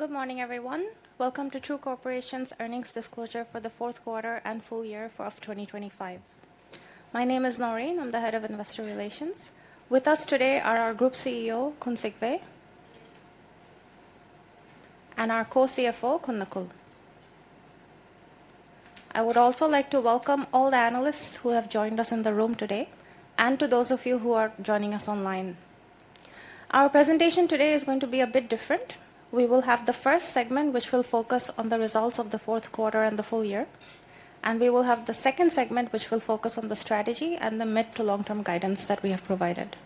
Good morning, everyone. Welcome to True Corporation's earnings disclosure for the fourth quarter and full year of 2025. My name is Naureen. I'm the Head of Investor Relations. With us today are our Group CEO, Khun Sigve, and our Co-CFO, Khun Nakul. I would also like to welcome all the analysts who have joined us in the room today and to those of you who are joining us online. Our presentation today is going to be a bit different. We will have the first segment, which will focus on the results of the fourth quarter and the full year, and we will have the second segment, which will focus on the strategy and the mid to long-term guidance that we have provided.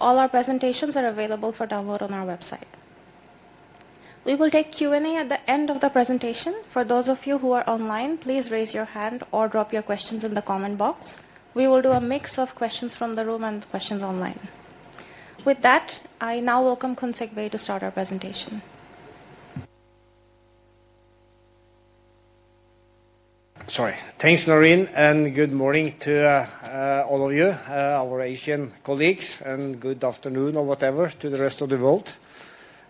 All our presentations are available for download on our website. We will take Q&A at the end of the presentation. For those of you who are online, please raise your hand or drop your questions in the comment box. We will do a mix of questions from the room and questions online. With that, I now welcome Khun Sigve to start our presentation. Sorry. Thanks, Naureen, and good morning to all of you, our Asian colleagues, and good afternoon or whatever to the rest of the world.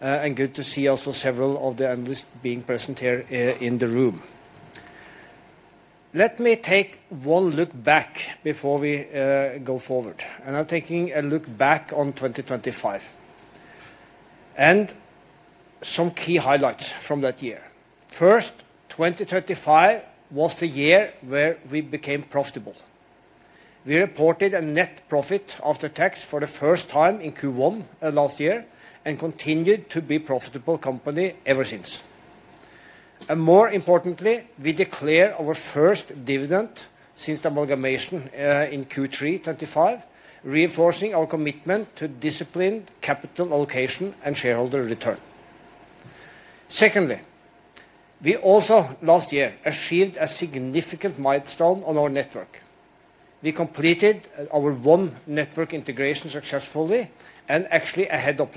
And good to see also several of the analysts being present here in the room. Let me take one look back before we go forward, and I'm taking a look back on 2025, and some key highlights from that year. First, 2025 was the year where we became profitable. We reported a net profit after tax for the first time in Q1 of last year and continued to be profitable company ever since. And more importantly, we declare our first dividend since the amalgamation in Q3 2025, reinforcing our commitment to disciplined capital allocation and shareholder return. Secondly, we also, last year, achieved a significant milestone on our network. We completed our One Network integration successfully and actually ahead of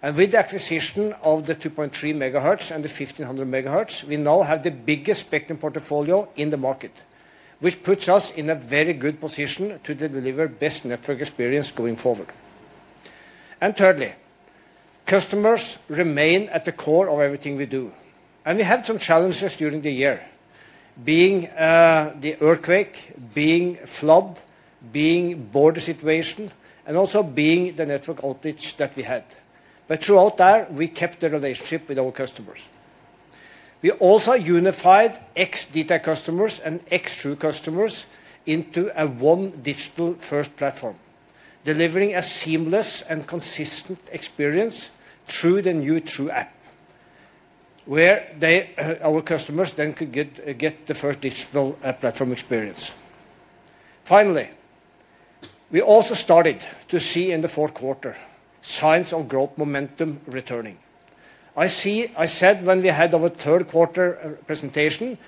plan. With the acquisition of the 2.3 MHz and the 1,500 MHz, we now have the biggest spectrum portfolio in the market, which puts us in a very good position to deliver best network experience going forward. Thirdly, customers remain at the core of everything we do, and we had some challenges during the year, being the earthquake, being flood, being border situation, and also being the network outage that we had. But throughout that, we kept the relationship with our customers. We also unified ex-dtac customers and ex-True customers into a one digital-first platform, delivering a seamless and consistent experience through the new True app, where they, our customers then could get the first digital platform experience. Finally, we also started to see in the fourth quarter signs of growth momentum returning. I said when we had our third quarter presentation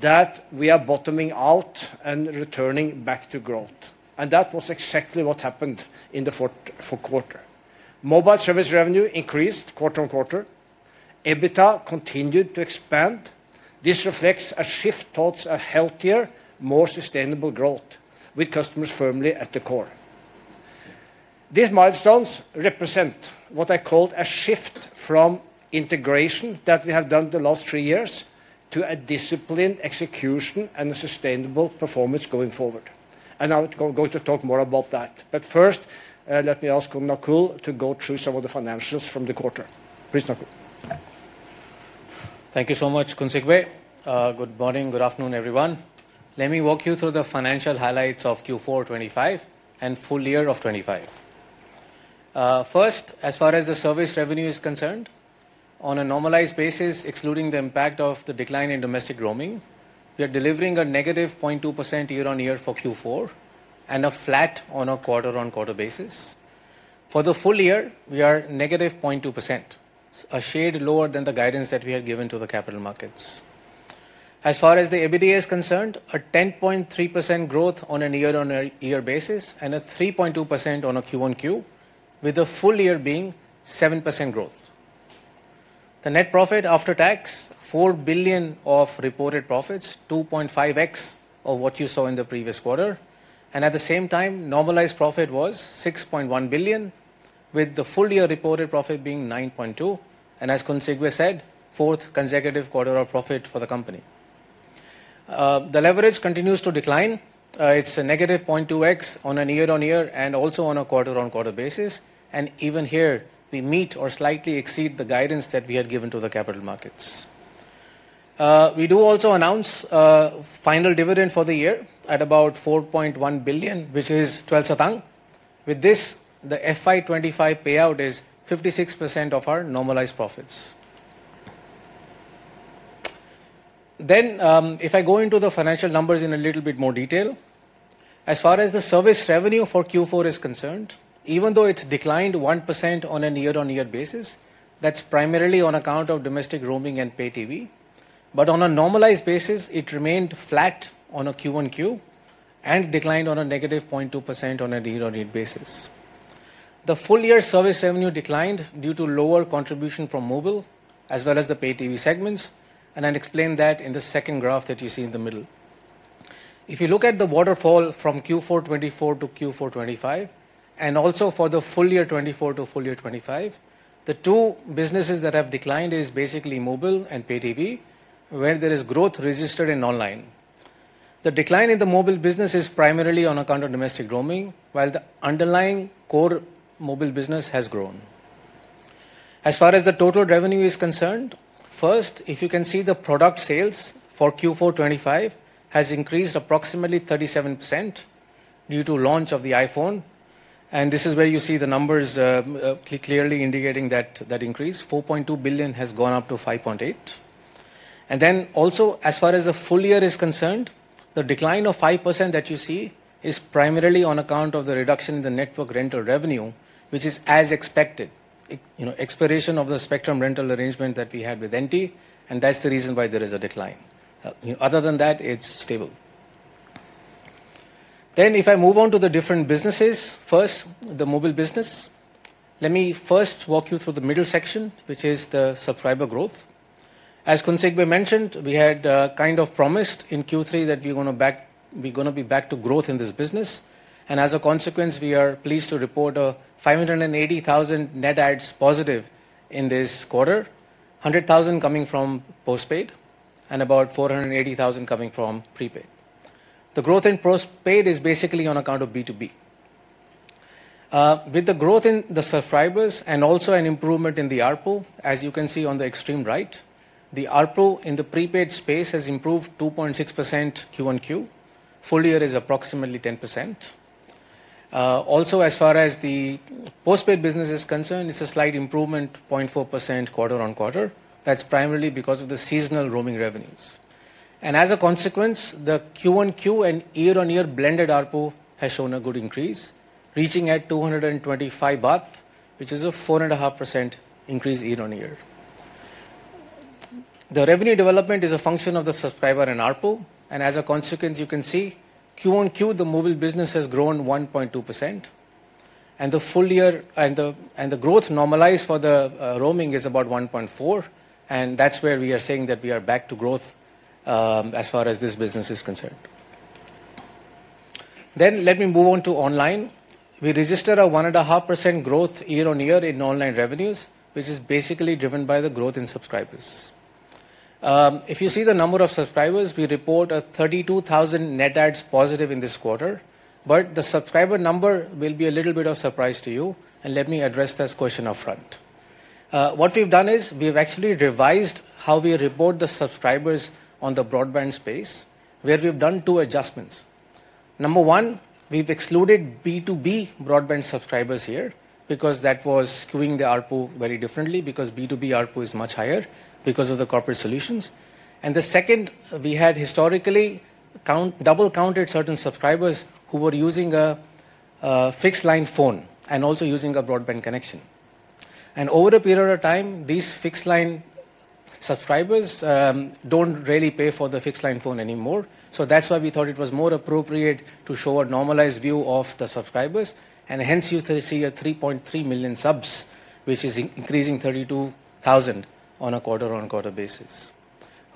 that we are bottoming out and returning back to growth, and that was exactly what happened in the fourth quarter. Mobile service revenue increased quarter-over-quarter. EBITDA continued to expand. This reflects a shift towards a healthier, more sustainable growth, with customers firmly at the core. These milestones represent what I call a shift from integration that we have done the last three years to a disciplined execution and a sustainable performance going forward. I would go to talk more about that. But first, let me ask Khun Nakul to go through some of the financials from the quarter. Please, Nakul. Thank you so much, Khun Sigve. Good morning, good afternoon, everyone. Let me walk you through the financial highlights of Q4 2025 and full year of 2025. First, as far as the service revenue is concerned, on a normalized basis, excluding the impact of the decline in domestic roaming, we are delivering a -0.2% year-on-year for Q4, and a flat on a quarter-on-quarter basis. For the full year, we are -0.2%, a shade lower than the guidance that we had given to the capital markets. As far as the EBITDA is concerned, a 10.3% growth on a year-on-year basis and a 3.2% on a QoQ, with the full year being 7% growth. The net profit after tax, 4 billion of reported profits, 2.5x of what you saw in the previous quarter, and at the same time, normalized profit was 6.1 billion, with the full year reported profit being 9.2 billion, and as Khun Sigve said, fourth consecutive quarter of profit for the company. The leverage continues to decline. It's a negative 0.2x on a year-over-year and also on a quarter-over-quarter basis. Even here, we meet or slightly exceed the guidance that we had given to the capital markets. We do also announce final dividend for the year at about 4.1 billion, which is 12 satang. With this, the FY 2025 payout is 56% of our normalized profits. If I go into the financial numbers in a little bit more detail, as far as the service revenue for Q4 is concerned, even though it's declined 1% on a year-on-year basis, that's primarily on account of domestic roaming and pay TV, but on a normalized basis, it remained flat on a QoQ and declined on a negative 0.2% on a year-on-year basis. The full year service revenue declined due to lower contribution from mobile as well as the pay TV segments, and I'll explain that in the second graph that you see in the middle. If you look at the waterfall from Q4 2024 to Q4 2025, and also for the full year 2024 to full year 2025, the two businesses that have declined is basically mobile and pay TV, where there is growth registered in online. The decline in the mobile business is primarily on account of domestic roaming, while the underlying core mobile business has grown. As far as the total revenue is concerned, first, if you can see the product sales for Q4 2025 has increased approximately 37% due to launch of the iPhone, and this is where you see the numbers, clearly indicating that increase, 4.2 billion has gone up to 5.8 billion. And then also, as far as the full year is concerned, the decline of 5% that you see is primarily on account of the reduction in the network rental revenue, which is as expected. You know, expiration of the spectrum rental arrangement that we had with NT, and that's the reason why there is a decline. Other than that, it's stable. Then, if I move on to the different businesses, first, the mobile business. Let me first walk you through the middle section, which is the subscriber growth. As Kunsegwe mentioned, we had kind of promised in Q3 that we're gonna be back to growth in this business, and as a consequence, we are pleased to report a 580,000 net adds positive in this quarter. 100,000 coming from postpaid, and about 480,000 coming from prepaid. The growth in postpaid is basically on account of B2B. With the growth in the subscribers and also an improvement in the ARPU, as you can see on the extreme right, the ARPU in the prepaid space has improved 2.6% QoQ. Full year is approximately 10%. Also, as far as the postpaid business is concerned, it's a slight improvement, 0.4% quarter-on-quarter. That's primarily because of the seasonal roaming revenues. And as a consequence, the Q1 QoQ and year-on-year blended ARPU has shown a good increase, reaching 225 baht, which is a 4.5% increase year-on-year. The revenue development is a function of the subscriber in ARPU, and as a consequence, you can see, Q1 QoQ, the mobile business has grown 1.2%, and the full year, the growth normalized for the roaming is about 1.4%, and that's where we are saying that we are back to growth, as far as this business is concerned. Then let me move on to online. We registered a 1.5% growth year-on-year in online revenues, which is basically driven by the growth in subscribers. If you see the number of subscribers, we report a 32,000 net adds positive in this quarter, but the subscriber number will be a little bit of surprise to you, and let me address this question upfront. What we've done is, we've actually revised how we report the subscribers on the broadband space, where we've done one adjustments. Number two, we've excluded B2B broadband subscribers here, because that was screwing the ARPU very differently, because B2B ARPU is much higher because of the corporate solutions. And the second, we had historically double-counted certain subscribers who were using a fixed-line phone and also using a broadband connection. Over a period of time, these fixed line subscribers don't really pay for the fixed line phone anymore. So that's why we thought it was more appropriate to show a normalized view of the subscribers, and hence you see a 3.3 million subs, which is increasing 32,000 on a quarter-on-quarter basis.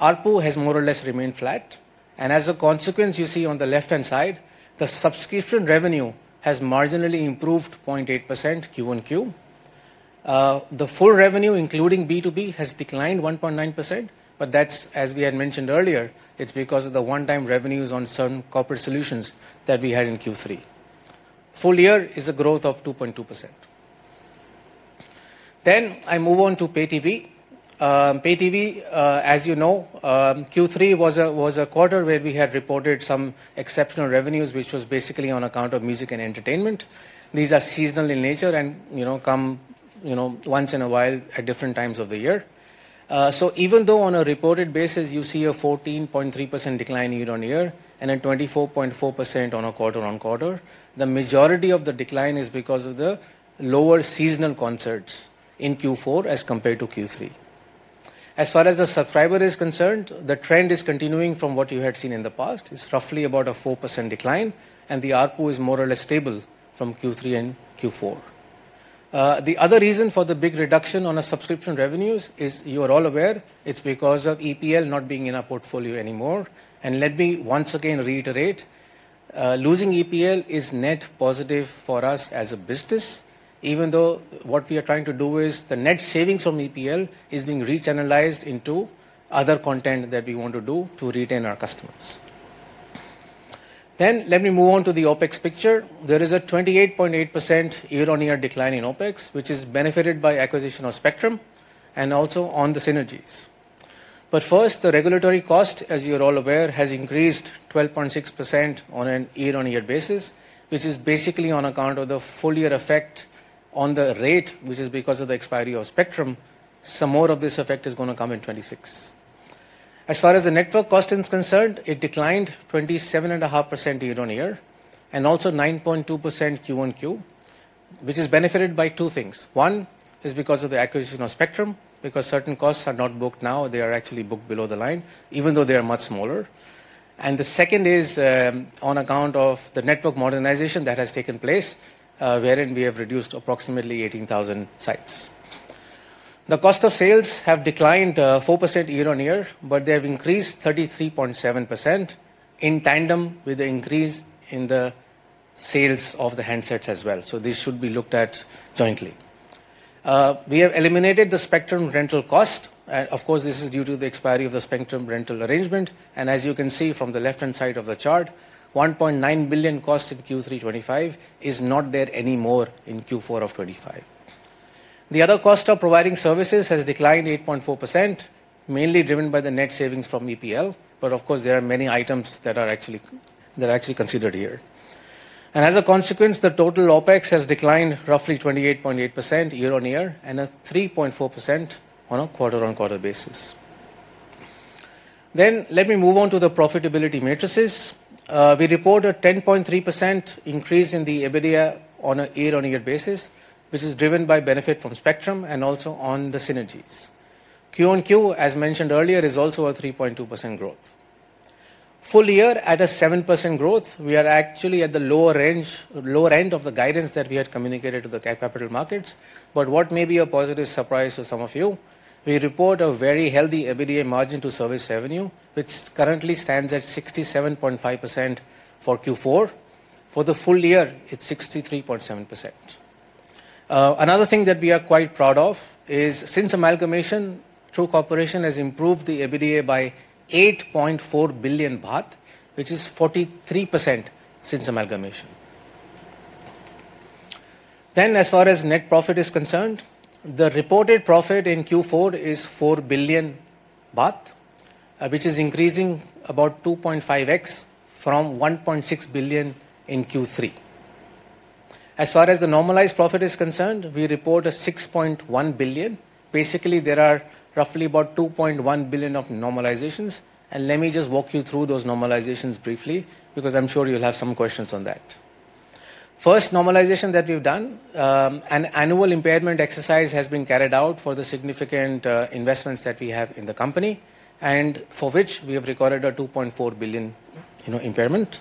ARPU has more or less remained flat, and as a consequence, you see on the left-hand side, the subscription revenue has marginally improved 0.8% Q1 Q. The full revenue, including B2B, has declined 1.9%, but that's, as we had mentioned earlier, it's because of the one-time revenues on certain corporate solutions that we had in Q3. Full year is a growth of 2.2%. Then I move on to pay TV. Pay TV, as you know, Q3 was a quarter where we had reported some exceptional revenues, which was basically on account of music and entertainment. These are seasonal in nature and, you know, come, you know, once in a while at different times of the year. So even though on a reported basis, you see a 14.3% decline year-on-year and a 24.4% on a quarter-on-quarter, the majority of the decline is because of the lower seasonal concerts in Q4 as compared to Q3. As far as the subscriber is concerned, the trend is continuing from what you had seen in the past. It's roughly about a 4% decline, and the ARPU is more or less stable from Q3 and Q4. The other reason for the big reduction on a subscription revenues is, you are all aware, it's because of EPL not being in our portfolio anymore. And let me once again reiterate, losing EPL is net positive for us as a business, even though what we are trying to do is the net savings from EPL is being rechannelized into other content that we want to do to retain our customers. Then let me move on to the OpEx picture. There is a 28.8% year-on-year decline in OpEx, which is benefited by acquisition of spectrum and also on the synergies. But first, the regulatory cost, as you're all aware, has increased 12.6% on a year-on-year basis, which is basically on account of the full year effect on the rate, which is because of the expiry of spectrum. Some more of this effect is gonna come in 2026. As far as the network cost is concerned, it declined 27.5% year-over-year, and also 9.2% quarter-over-quarter, which is benefited by two things. One is because of the acquisition of spectrum, because certain costs are not booked now, they are actually booked below the line, even though they are much smaller. The second is, on account of the network modernization that has taken place, wherein we have reduced approximately 18,000 sites. The cost of sales have declined 4% year-over-year, but they have increased 33.7% in tandem with the increase in the sales of the handsets as well. This should be looked at jointly. We have eliminated the spectrum rental cost, and of course, this is due to the expiry of the spectrum rental arrangement. As you can see from the left-hand side of the chart, $1.9 billion cost in Q3 2025 is not there anymore in Q4 of 2025. The other cost of providing services has declined 8.4%, mainly driven by the net savings from EPL. But of course, there are many items that are actually, that are actually considered here. And as a consequence, the total OpEx has declined roughly 28.8% year-on-year and 3.4% on a quarter-on-quarter basis. Then let me move on to the profitability metrics. We report a 10.3% increase in the EBITDA on a year-on-year basis, which is driven by benefit from spectrum and also on the synergies. Q-on-Q, as mentioned earlier, is also a 3.2% growth. Full year, at a 7% growth, we are actually at the lower range, lower end of the guidance that we had communicated to the capital markets. But what may be a positive surprise to some of you, we report a very healthy EBITDA margin to service revenue, which currently stands at 67.5% for Q4. For the full year, it's 63.7%. Another thing that we are quite proud of is, since amalgamation, True Corporation has improved the EBITDA by 8.4 billion baht, which is 43% since amalgamation. As far as net profit is concerned, the reported profit in Q4 is 4 billion baht, which is increasing about 2.5x from 1.6 billion in Q3. As far as the normalized profit is concerned, we report 6.1 billion. Basically, there are roughly about 2.1 billion of normalizations. And let me just walk you through those normalizations briefly, because I'm sure you'll have some questions on that. First normalization that we've done, an annual impairment exercise has been carried out for the significant investments that we have in the company, and for which we have recorded a 2.4 billion, you know, impairment.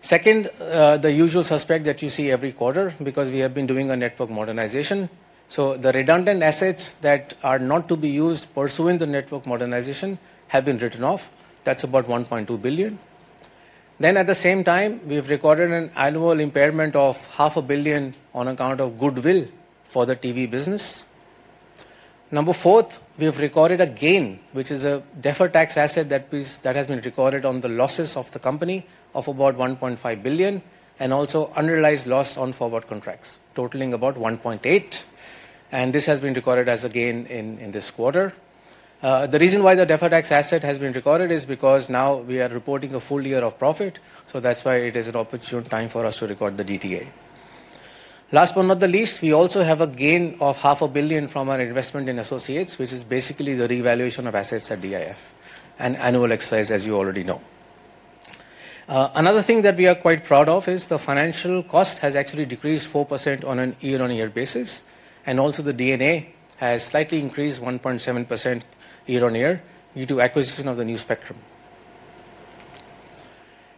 Second, the usual suspect that you see every quarter, because we have been doing a network modernization. So the redundant assets that are not to be used pursuant the network modernization have been written off. That's about 1.2 billion. Then at the same time, we've recorded an annual impairment of 0.5 billion on account of goodwill for the TV business. Number fourth, we have recorded a gain, which is a deferred tax asset that has been recorded on the losses of the company of about 1.5 billion, and also unrealized loss on forward contracts, totaling about 1.8 billion, and this has been recorded as a gain in, in this quarter. The reason why the deferred tax asset has been recorded is because now we are reporting a full year of profit, so that's why it is an opportune time for us to record the DTA. Last but not the least, we also have a gain of 500,000,000 from our investment in associates, which is basically the revaluation of assets at DIF, an annual exercise, as you already know. Another thing that we are quite proud of is the financial cost has actually decreased 4% on a year-on-year basis, and also the D&A has slightly increased 1.7% year-on-year, due to acquisition of the new spectrum.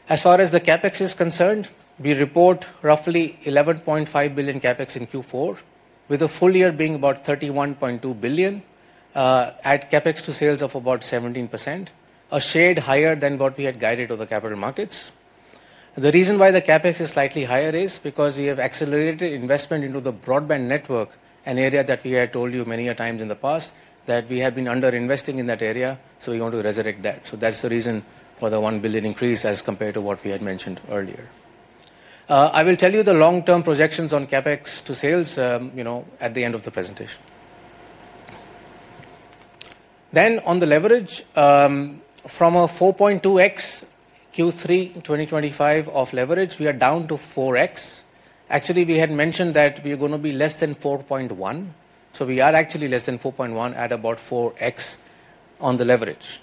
As far as the CapEx is concerned, we report roughly 11.5 billion CapEx in Q4, with the full year being about 31.2 billion, at CapEx to sales of about 17%, a shade higher than what we had guided to the capital markets. The reason why the CapEx is slightly higher is because we have accelerated investment into the broadband network, an area that we had told you many a times in the past, that we have been underinvesting in that area, so we want to resurrect that. So that's the reason for the 1 billion increase as compared to what we had mentioned earlier. I will tell you the long-term projections on CapEx to sales, you know, at the end of the presentation. Then on the leverage, from a 4.2x Q3 2025 of leverage, we are down to 4x. Actually, we had mentioned that we are gonna be less than 4.1, so we are actually less than 4.1 at about 4x on the leverage.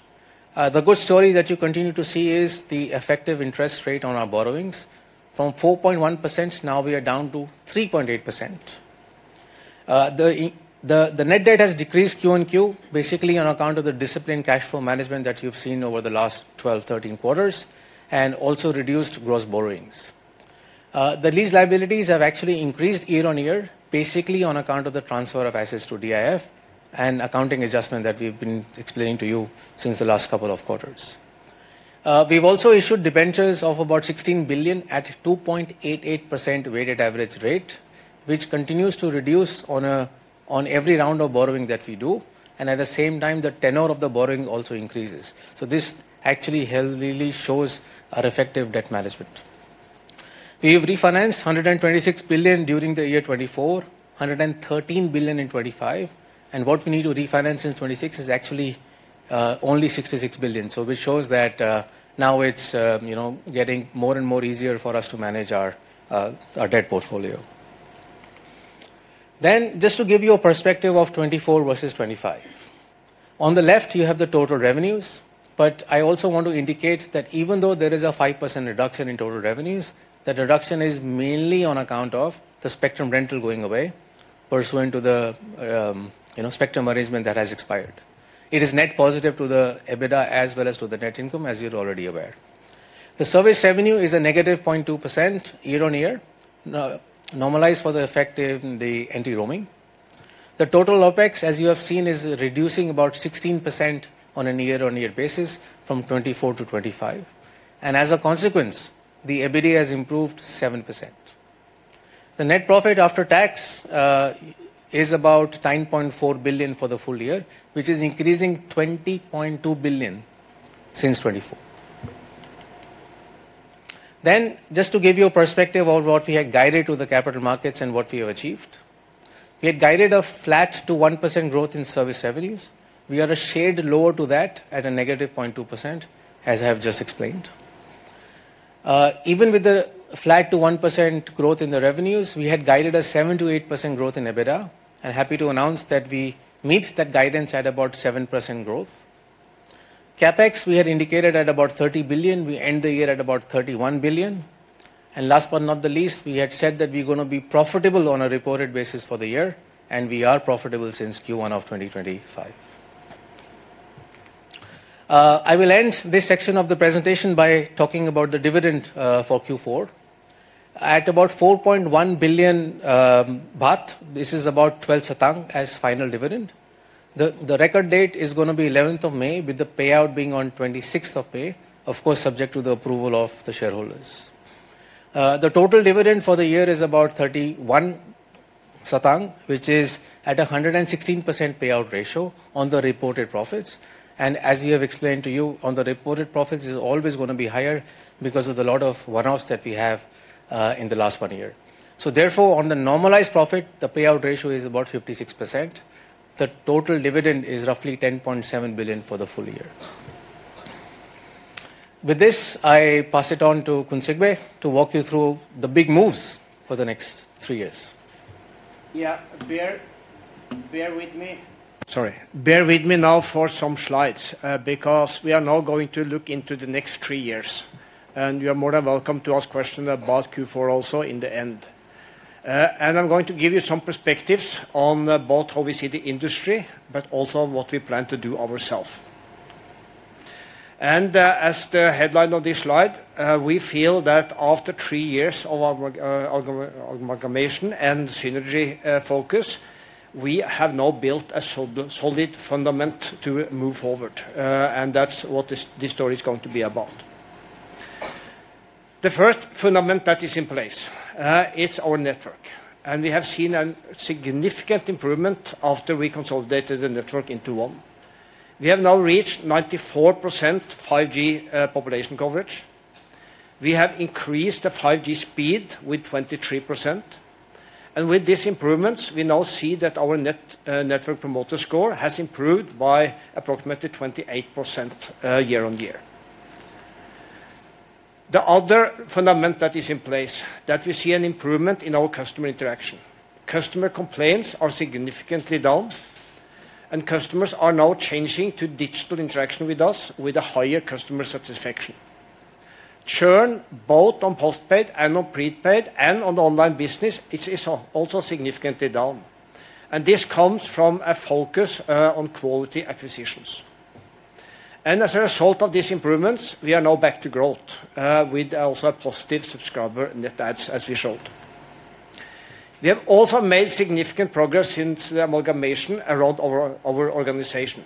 The good story that you continue to see is the effective interest rate on our borrowings. From 4.1%, now we are down to 3.8%. The net debt has decreased quarter-over-quarter, basically on account of the disciplined cash flow management that you've seen over the last 12, 13 quarters, and also reduced gross borrowings. The lease liabilities have actually increased year-over-year, basically on account of the transfer of assets to DIF and accounting adjustment that we've been explaining to you since the last couple of quarters. We've also issued debentures of about 16 billion at 2.88% weighted average rate, which continues to reduce on every round of borrowing that we do, and at the same time, the tenure of the borrowing also increases. This actually really shows our effective debt management. We've refinanced 126 billion during the year 2024, 113 billion in 2025, and what we need to refinance in 2026 is actually only 66 billion. So which shows that, now it's, you know, getting more and more easier for us to manage our, our debt portfolio. Then, just to give you a perspective of 2024 versus 2025. On the left, you have the total revenues, but I also want to indicate that even though there is a 5% reduction in total revenues, the reduction is mainly on account of the spectrum rental going away, pursuant to the, you know, spectrum arrangement that has expired. It is net positive to the EBITDA as well as to the net income, as you're already aware. The service revenue is a -0.2% year-on-year, normalized for the effect in the NT roaming. The total OpEx, as you have seen, is reducing about 16% on a year-on-year basis from 2024 to 2025, and as a consequence, the EBITDA has improved 7%. The net profit after tax is about 9.4 billion for the full year, which is increasing 20.2 billion since 2024. Just to give you a perspective of what we had guided to the capital markets and what we have achieved. We had guided a flat to 1% growth in service revenues. We are a shade lower to that at a negative 0.2%, as I have just explained. Even with the flat to 1% growth in the revenues, we had guided a 7%-8% growth in EBITDA, and happy to announce that we meet that guidance at about 7% growth. CapEx, we had indicated at about 30 billion. We end the year at about 31 billion. Last but not the least, we had said that we're gonna be profitable on a reported basis for the year, and we are profitable since Q1 of 2025. I will end this section of the presentation by talking about the dividend for Q4. At about 4.1 billion baht, this is about 12 satang as final dividend. The record date is gonna be 11th of May, with the payout being on 26th of May, of course, subject to the approval of the shareholders. The total dividend for the year is about 31 satang, which is at a 116% payout ratio on the reported profits. As we have explained to you, on the reported profits, it's always gonna be higher because of the lot of one-offs that we have in the last one year. Therefore, on the normalized profit, the payout ratio is about 56%. The total dividend is roughly 10.7 billion for the full year. With this, I pass it on to Khun Sigve to walk you through the big moves for the next three years. Yeah, bear, bear with me. Sorry. Bear with me now for some slides, because we are now going to look into the next three years, and you are more than welcome to ask questions about Q4 also in the end. I'm going to give you some perspectives on both how we see the industry, but also what we plan to do ourself. As the headline of this slide, we feel that after three years of our merg- our, our amalgamation and synergy focus, we have now built a solid, solid fundament to move forward, and that's what this story is going to be about. The first fundament that is in place, it's our network, and we have seen a significant improvement after we consolidated the network into one. We have now reached 94% 5G population coverage. We have increased the 5G speed with 23%, and with these improvements, we now see that our net network promoter score has improved by approximately 28% year-on-year. The other fundament that is in place, that we see an improvement in our customer interaction. Customer complaints are significantly down, and customers are now changing to digital interaction with us with a higher customer satisfaction. Churn, both on postpaid and on prepaid and on the online business, it is also significantly down, and this comes from a focus on quality acquisitions. As a result of these improvements, we are now back to growth, with also a positive subscriber, net adds, as we showed. We have also made significant progress since the amalgamation around our organization.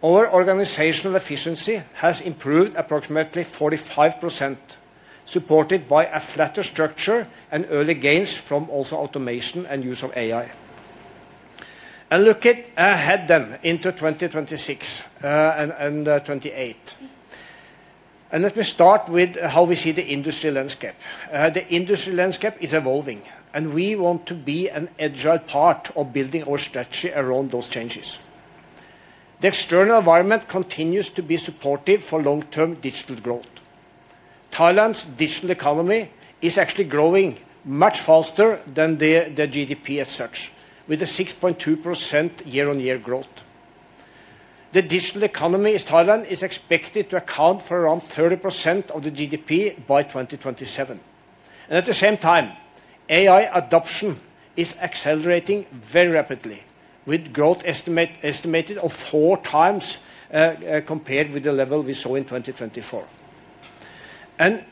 Our organizational efficiency has improved approximately 45%, supported by a flatter structure and early gains from also automation and use of AI. Looking ahead into 2026 and 2028. Let me start with how we see the industry landscape. The industry landscape is evolving, and we want to be an agile part of building our strategy around those changes. The external environment continues to be supportive for long-term digital growth. Thailand's digital economy is actually growing much faster than the GDP as such, with a 6.2% year-over-year growth. The digital economy in Thailand is expected to account for around 30% of the GDP by 2027. At the same time, AI adoption is accelerating very rapidly, with growth estimated at four times compared with the level we saw in 2024.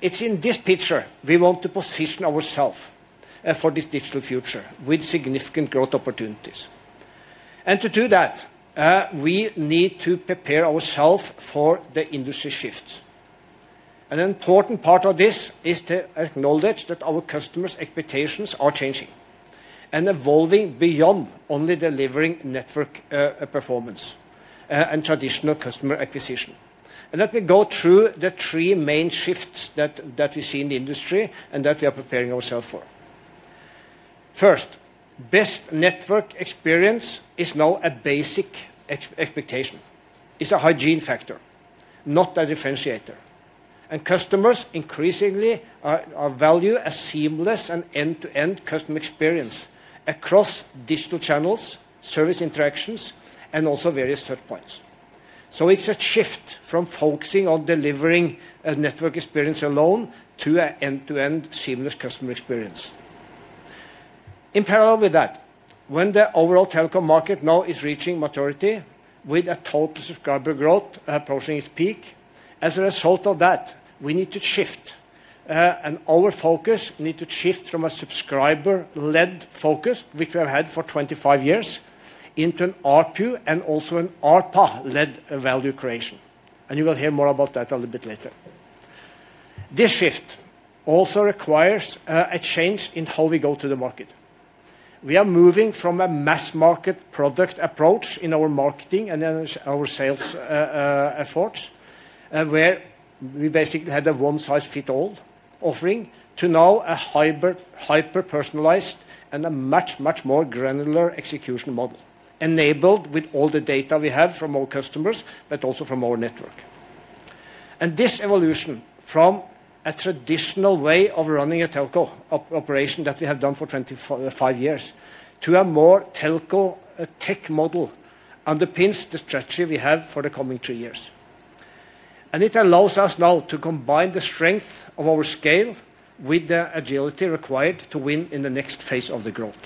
It's in this picture, we want to position ourselves for this digital future with significant growth opportunities. And to do that, we need to prepare ourselves for the industry shifts. An important part of this is to acknowledge that our customers' expectations are changing and evolving beyond only delivering network performance and traditional customer acquisition. And let me go through the three main shifts that we see in the industry and that we are preparing ourselves for. First, best network experience is now a basic expectation. It's a hygiene factor, not a differentiator. And customers increasingly value a seamless and end-to-end customer experience across digital channels, service interactions, and also various touchpoints. So it's a shift from focusing on delivering a network experience alone to an end-to-end seamless customer experience. In parallel with that, when the overall telecom market now is reaching maturity with a total subscriber growth approaching its peak, as a result of that, we need to shift, and our focus need to shift from a subscriber-led focus, which we have had for 25 years, into an ARPU and also an ARPA-led value creation, and you will hear more about that a little bit later. This shift also requires a change in how we go to the market. We are moving from a mass market product approach in our marketing and then our sales efforts, where we basically had a one-size-fits-all offering to now a hyper-personalized and a much, much more granular execution model, enabled with all the data we have from our customers, but also from our network. This evolution from a traditional way of running a telco operation that we have done for 24.5 years, to a more telco tech model, underpins the strategy we have for the coming two years. And it allows us now to combine the strength of our scale with the agility required to win in the next phase of the growth.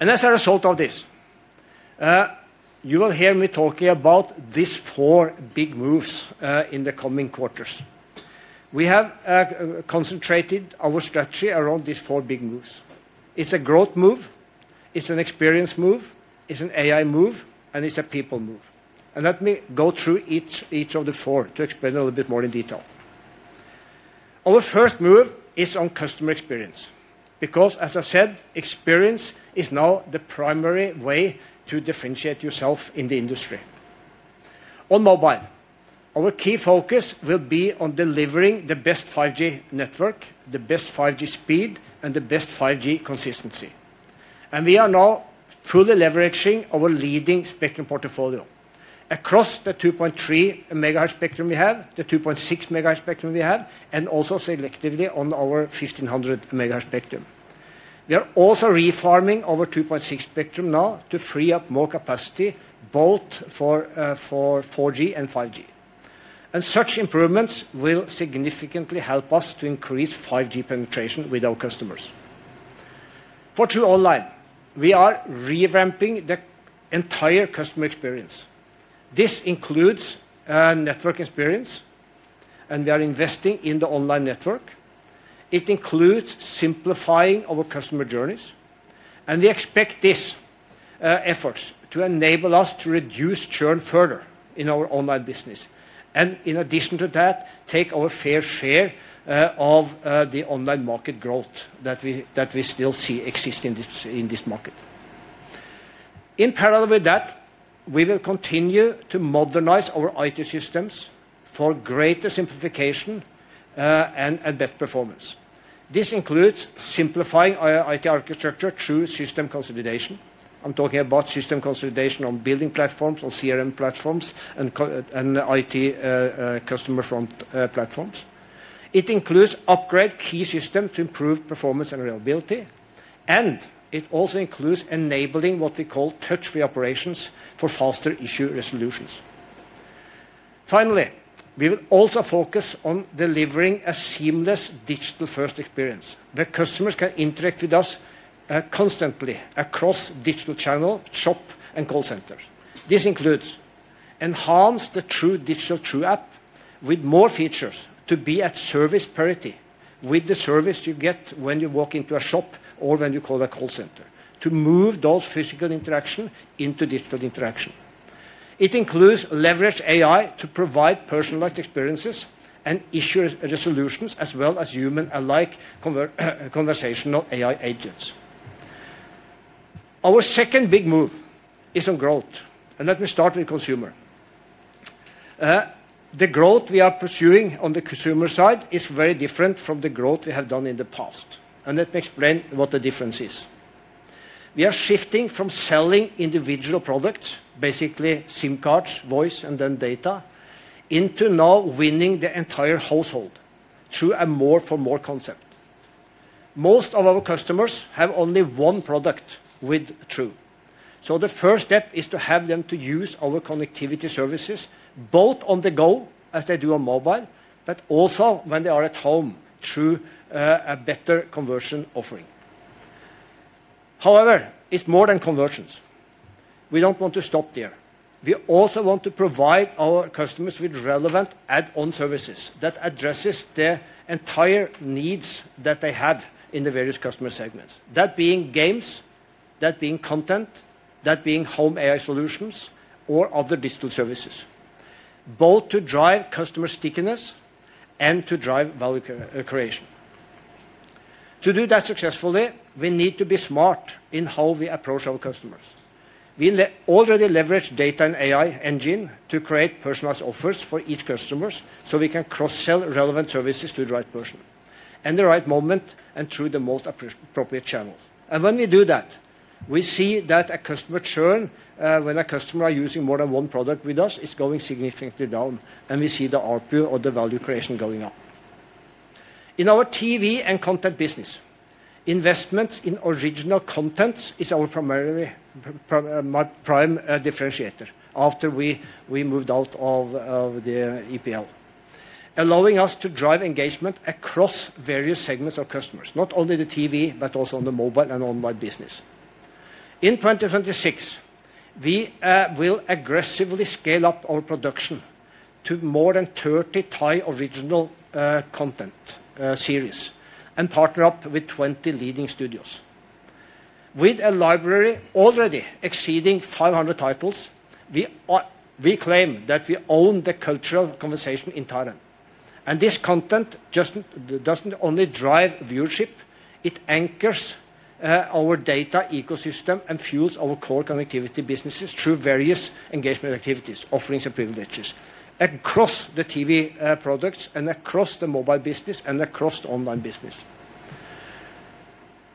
And as a result of this, you will hear me talking about these four big moves in the coming quarters. We have concentrated our strategy around these four big moves. It's a growth move, it's an experience move, it's an AI move, and it's a people move. And let me go through each of the four to explain a little bit more in detail. Our first move is on customer experience, because, as I said, experience is now the primary way to differentiate yourself in the industry. On mobile, our key focus will be on delivering the best 5G network, the best 5G speed, and the best 5G consistency. We are now fully leveraging our leading spectrum portfolio. Across the 2.3 MHz spectrum we have, the 2.6 MHz spectrum we have, and also selectively on our 1,500 MHz spectrum. We are also refarming our 2.6 spectrum now to free up more capacity, both for 4G and 5G. Such improvements will significantly help us to increase 5G penetration with our customers. For TrueOnline, we are revamping the entire customer experience. This includes network experience, and we are investing in the online network. It includes simplifying our customer journeys, and we expect these efforts to enable us to reduce churn further in our online business, and in addition to that, take our fair share of the online market growth that we, that we still see exist in this, in this market. In parallel with that, we will continue to modernize our IT systems for greater simplification and better performance. This includes simplifying our IT architecture through system consolidation. I'm talking about system consolidation on building platforms, on CRM platforms, and co- and IT customer front platforms. It includes upgrade key system to improve performance and reliability, and it also includes enabling what we call touch-free operations for faster issue resolutions. Finally, we will also focus on delivering a seamless digital-first experience, where customers can interact with us constantly across digital channel, shop, and call centers. This includes enhance the True Digital True app with more features to be at service parity with the service you get when you walk into a shop or when you call a call center, to move those physical interaction into digital interaction. It includes leverage AI to provide personalized experiences and issue resolutions, as well as human-alike conversational AI agents. Our second big move is on growth, and let me start with consumer. The growth we are pursuing on the consumer side is very different from the growth we have done in the past, and let me explain what the difference is. We are shifting from selling individual products, basically SIM cards, voice, and then data, into now winning the entire household through a more for more concept. Most of our customers have only one product with True. So the first step is to have them to use our connectivity services, both on the go as they do on mobile, but also when they are at home through a better conversion offering. However, it's more than conversions. We don't want to stop there. We also want to provide our customers with relevant add-on services that addresses their entire needs that they have in the various customer segments. That being games, that being content, that being home AI solutions or other digital services, both to drive customer stickiness and to drive value creation. To do that successfully, we need to be smart in how we approach our customers. We already leverage data and AI engine to create personalized offers for each customer, so we can cross-sell relevant services to the right person, in the right moment, and through the most appropriate channel. When we do that, we see that customer churn, when a customer is using more than one product with us, is going significantly down, and we see the ARPU or the value creation going up. In our TV and content business, investments in original content is our primary, prime differentiator after we moved out of the EPL, allowing us to drive engagement across various segments of customers, not only the TV, but also on the mobile and online business. In 2026, we will aggressively scale up our production to more than 30 Thai original content series and partner up with 20 leading studios. With a library already exceeding 500 titles, we claim that we own the cultural conversation in Thailand, and this content just doesn't only drive viewership, it anchors our data ecosystem and fuels our core connectivity businesses through various engagement activities, offerings, and privileges across the TV products, and across the mobile business, and across the online business.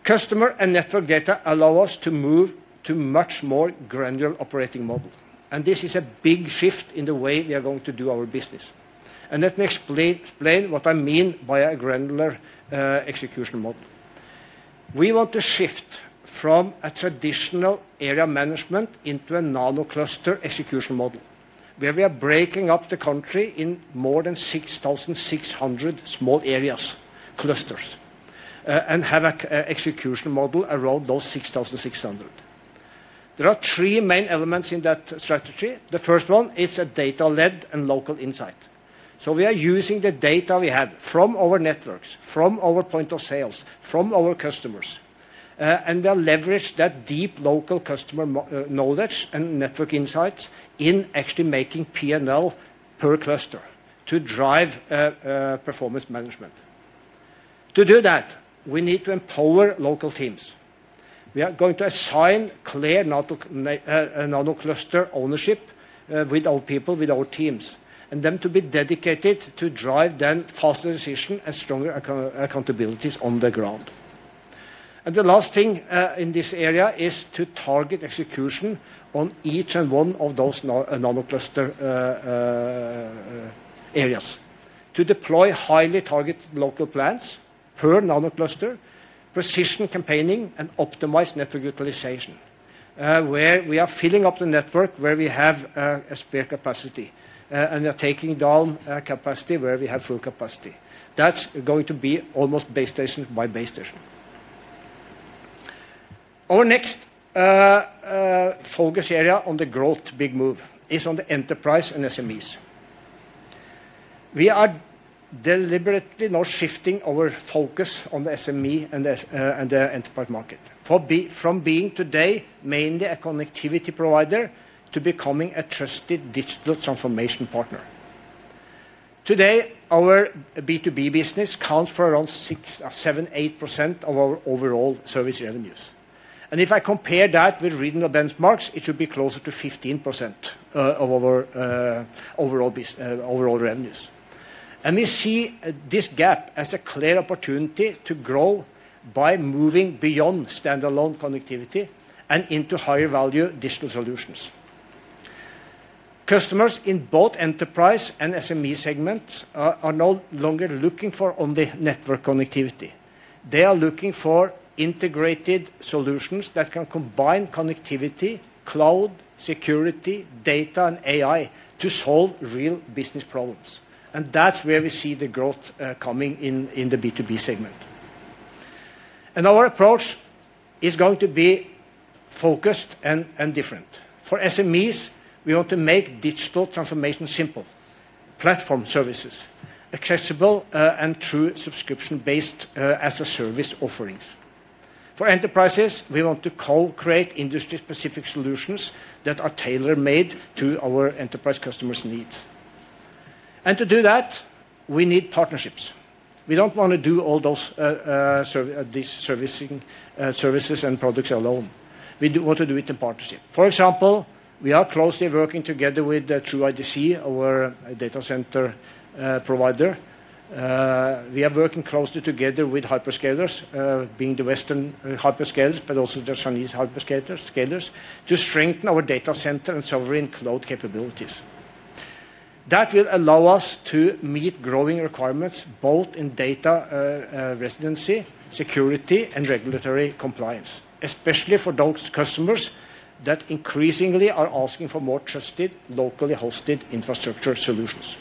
Customer and network data allow us to move to much more granular operating model, and this is a big shift in the way we are going to do our business. And let me explain what I mean by a granular execution model. We want to shift from a traditional area management into a nano cluster execution model, where we are breaking up the country into more than 6,600 small areas, clusters, and have a execution model around those 6,600. There are three main elements in that strategy. The first one is a data-led and local insight. So we are using the data we have from our networks, from our point of sales, from our customers, and we leverage that deep local customer knowledge and network insights in actually making P&L per cluster to drive performance management. To do that, we need to empower local teams. We are going to assign clear nano cluster ownership with our people, with our teams, and them to be dedicated to drive then faster decision and stronger accountabilities on the ground. The last thing in this area is to target execution on each and one of those nano cluster areas. To deploy highly targeted local plans per nano cluster, precision campaigning, and optimized network utilization, where we are filling up the network, where we have a spare capacity, and we are taking down capacity, where we have full capacity. That's going to be almost base station by base station. Our next focus area on the growth big move is on the enterprise and SMEs. We are deliberately now shifting our focus on the SME and the enterprise market. From being today mainly a connectivity provider, to becoming a trusted digital transformation partner. Today, our B2B business accounts for around 6%-8% of our overall service revenues, and if I compare that with regional benchmarks, it should be closer to 15% of our overall revenues. We see this gap as a clear opportunity to grow by moving beyond standalone connectivity and into higher value digital solutions. Customers in both enterprise and SME segments are no longer looking for only network connectivity. They are looking for integrated solutions that can combine connectivity, cloud, security, data, and AI to solve real business problems, and that's where we see the growth coming in the B2B segment. Our approach is going to be focused and different. For SMEs, we want to make digital transformation simple: platform services, accessible, and through subscription-based, as-a-service offerings. For enterprises, we want to co-create industry-specific solutions that are tailor-made to our enterprise customers' needs. And to do that, we need partnerships. We don't want to do all those, these servicing services and products alone. We do want to do it in partnership. For example, we are closely working together with True IDC, our data center provider. We are working closely together with hyperscalers, being the Western hyperscalers, but also the Chinese hyperscalers, to strengthen our data center and sovereign cloud capabilities. That will allow us to meet growing requirements both in data residency, security, and regulatory compliance, especially for those customers that increasingly are asking for more trusted, locally hosted infrastructure solutions.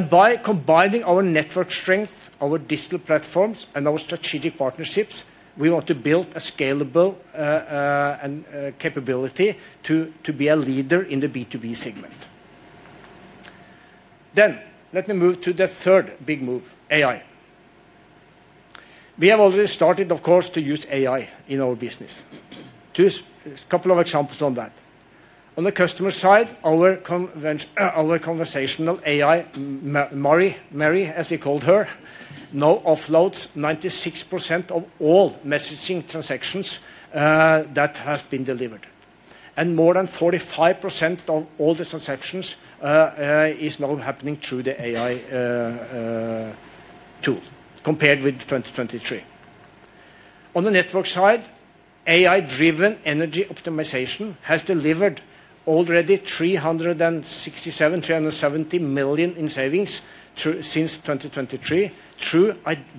By combining our network strength, our digital platforms, and our strategic partnerships, we want to build a scalable, and capability to be a leader in the B2B segment. Then let me move to the third big move, AI. We have already started, of course, to use AI in our business. Just a couple of examples on that. On the customer side, our conversational AI, Mari, as we called her, now offloads 96% of all messaging transactions that has been delivered, and more than 45% of all the transactions is now happening through the AI tool, compared with 2023. On the network side, AI-driven energy optimization has delivered already 367 million-370 million in savings since 2023,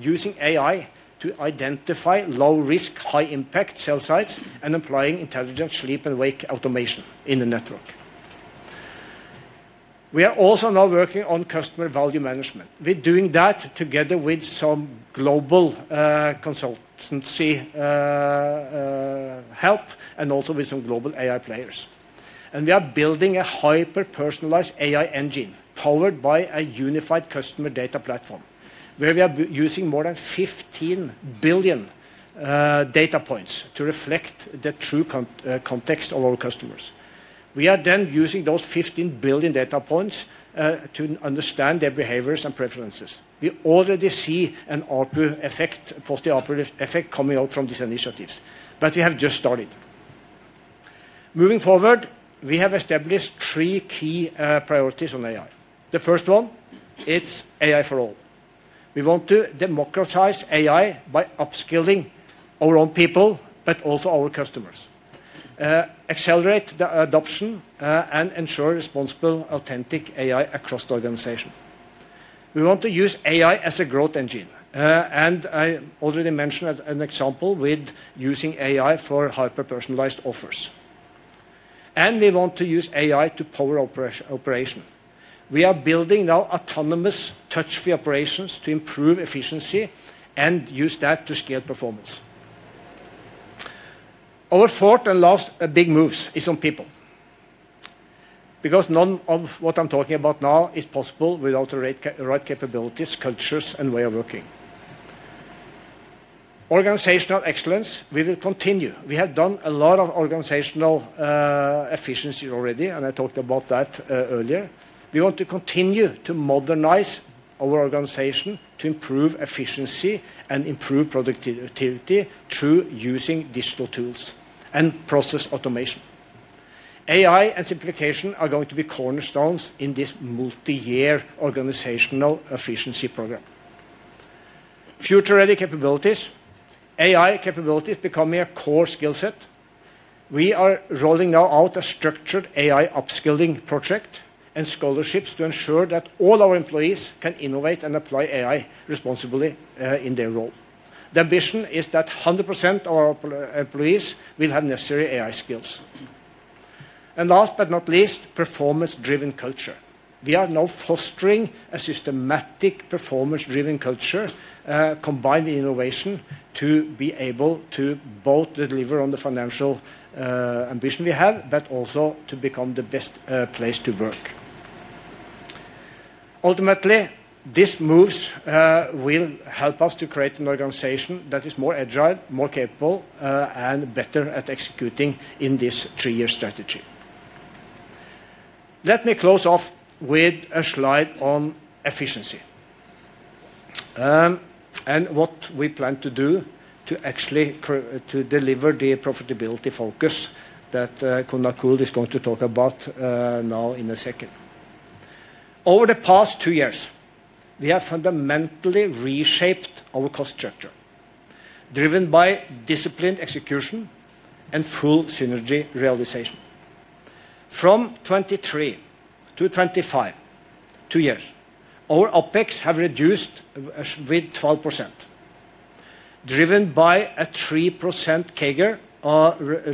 using AI to identify low-risk, high-impact cell sites and applying intelligent sleep and wake automation in the network. We are also now working on customer value management. We're doing that together with some global consultancy help, and also with some global AI players. We are building a hyper-personalized AI engine powered by a unified customer data platform, where we are using more than 15 billion data points to reflect the true context of our customers. We are then using those 15 billion data points to understand their behaviors and preferences. We already see an ARPU effect, positive ARPU effect coming out from these initiatives, but we have just started. Moving forward, we have established three key priorities on AI. The first one, it's AI for all. We want to democratize AI by upskilling our own people, but also our customers, accelerate the adoption, and ensure responsible, authentic AI across the organization. We want to use AI as a growth engine, and I already mentioned as an example with using AI for hyper-personalized offers. And we want to use AI to power operation. We are building now autonomous, touch-free operations to improve efficiency and use that to scale performance. Our fourth and last big moves is on people, because none of what I'm talking about now is possible without the right capabilities, cultures, and way of working. Organizational excellence, we will continue. We have done a lot of organizational efficiency already, and I talked about that earlier. We want to continue to modernize our organization, to improve efficiency and improve productivity through using digital tools and process automation. AI and simplification are going to be cornerstones in this multi-year organizational efficiency program. Future-ready capabilities, AI capabilities becoming a core skill set. We are rolling now out a structured AI upskilling project and scholarships to ensure that all our employees can innovate and apply AI responsibly in their role. The ambition is that 100% of our employees will have necessary AI skills. Last but not least, performance-driven culture. We are now fostering a systematic, performance-driven culture combined with innovation, to be able to both deliver on the financial ambition we have, but also to become the best place to work. Ultimately, these moves will help us to create an organization that is more agile, more capable, and better at executing in this three-year strategy. Let me close off with a slide on efficiency, and what we plan to do to actually to deliver the profitability focus that Kunal Kuhle is going to talk about now in a second. Over the past two years, we have fundamentally reshaped our cost structure, driven by disciplined execution and full synergy realization. From 2023 to 2025, two years, our OpEx have reduced with 12%, driven by a 3% CAGR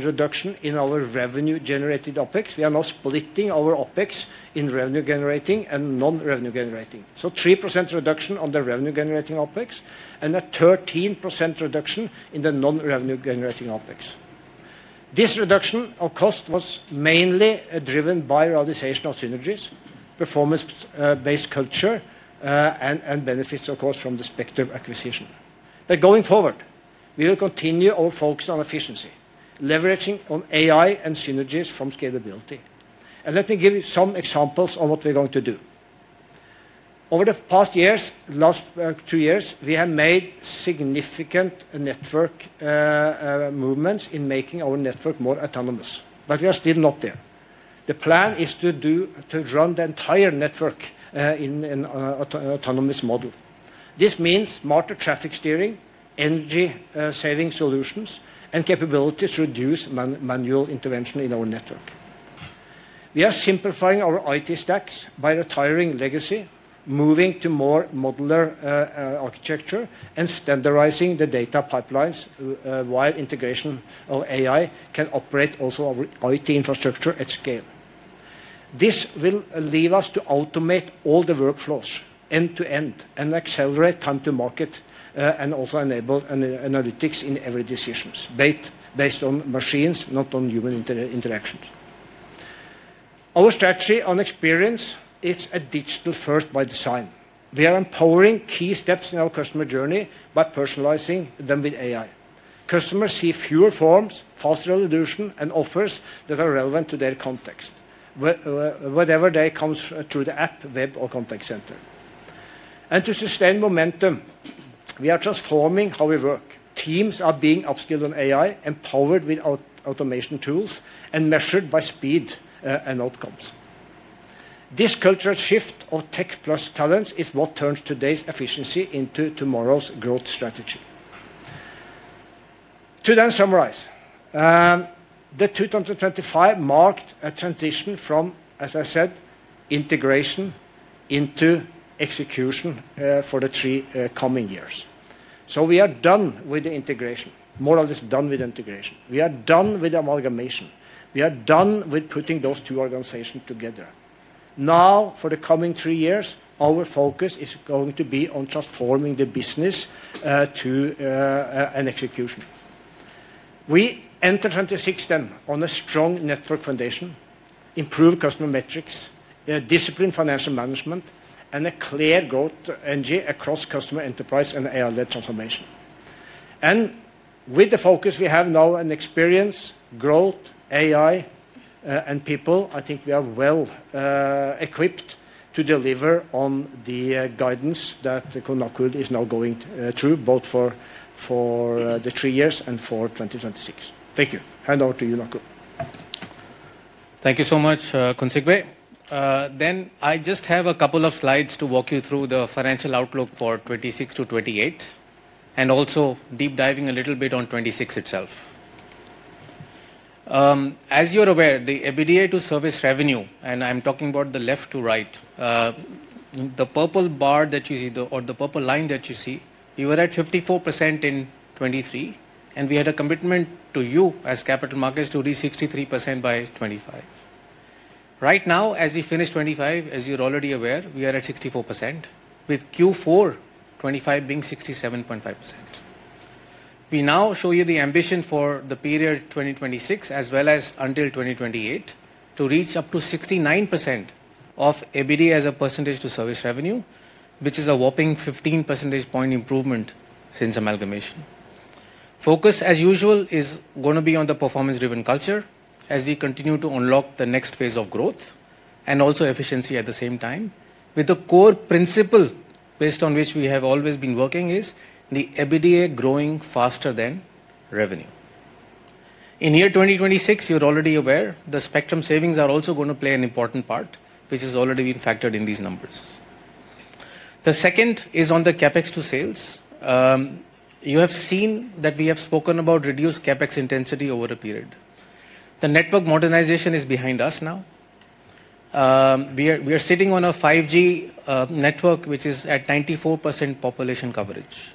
reduction in our revenue-generated OpEx. We are now splitting our OpEx in revenue-generating and non-revenue generating. So 3% reduction on the revenue-generating OpEx, and a 13% reduction in the non-revenue-generating OpEx. This reduction of cost was mainly driven by realization of synergies, performance-based culture, and benefits, of course, from the Spectrum acquisition. But going forward, we will continue our focus on efficiency, leveraging on AI and synergies from scalability. And let me give you some examples on what we're going to do. Over the past two years, we have made significant network movements in making our network more autonomous, but we are still not there. The plan is to run the entire network in autonomous model. This means smarter traffic steering, energy saving solutions, and capabilities to reduce manual intervention in our network. We are simplifying our IT stacks by retiring legacy, moving to more modular architecture, and standardizing the data pipelines, while integration of AI can operate also our IT infrastructure at scale. This will lead us to automate all the workflows end-to-end and accelerate time to market, and also enable analytics in every decisions, data-based on machines, not on human interactions. Our strategy on experience, it's a digital-first by design. We are empowering key steps in our customer journey by personalizing them with AI. Customers see fewer forms, faster resolution, and offers that are relevant to their context, wherever they comes through the app, web, or contact center. And to sustain momentum, we are transforming how we work. Teams are being upskilled on AI, empowered with automation tools, and measured by speed and outcomes. This cultural shift of tech plus talents is what turns today's efficiency into tomorrow's growth strategy. To then summarize, the 2025 marked a transition from, as I said, integration into execution, for the three coming years. So we are done with the integration. More or less done with integration. We are done with amalgamation. We are done with putting those two organizations together. Now, for the coming three years, our focus is going to be on transforming the business, to, an execution. We enter 2026 then on a strong network foundation, improved customer metrics, disciplined financial management, and a clear growth engine across customer enterprise and AI-led transformation. With the focus we have now on experience, growth, AI, and people, I think we are well equipped to deliver on the guidance that Nakul is now going through, both for the three years and for 2026. Thank you. Hand over to you, Nakul. Thank you so much, Khun Sigve. I just have a couple of slides to walk you through the financial outlook for 2026 to 2028, and also deep diving a little bit on 2026 itself. As you're aware, the EBITDA to service revenue, and I'm talking about the left to right, the purple bar that you see or the purple line that you see, we were at 54% in 2023, and we had a commitment to you as capital markets to reach 63% by 2025. Right now, as we finish 2025, as you're already aware, we are at 64%, with Q4 2025 being 67.5%. We now show you the ambition for the period 2026, as well as until 2028, to reach up to 69% of EBITDA as a percentage to service revenue, which is a whopping 15 percentage point improvement since amalgamation. Focus, as usual, is gonna be on the performance-driven culture as we continue to unlock the next phase of growth and also efficiency at the same time, with the core principle, based on which we have always been working, is the EBITDA growing faster than revenue. In year 2026, you're already aware, the spectrum savings are also gonna play an important part, which has already been factored in these numbers. The second is on the CapEx to sales. You have seen that we have spoken about reduced CapEx intensity over the period. The network modernization is behind us now. We are sitting on a 5G network, which is at 94% population coverage.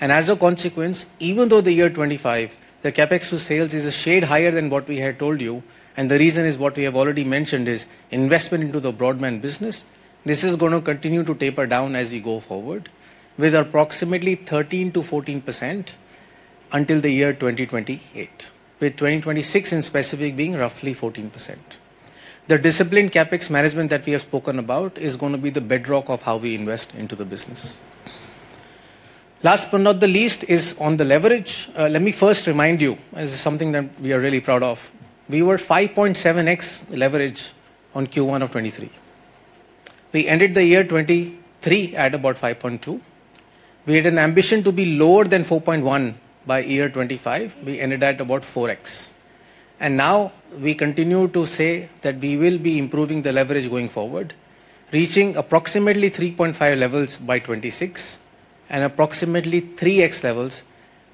And as a consequence, even though the year 2025, the CapEx to sales is a shade higher than what we had told you, and the reason is what we have already mentioned is investment into the broadband business. This is gonna continue to taper down as we go forward, with approximately 13%-14% until the year 2028, with 2026 in specific being roughly 14%. The disciplined CapEx management that we have spoken about is gonna be the bedrock of how we invest into the business. Last but not the least is on the leverage. Let me first remind you, this is something that we are really proud of, we were 5.7x leverage on Q1 of 2023. We ended the year 2023 at about 5.2. We had an ambition to be lower than 4.1 by year 2025. We ended at about 4x. Now we continue to say that we will be improving the leverage going forward, reaching approximately 3.5 levels by 2026 and approximately 3x levels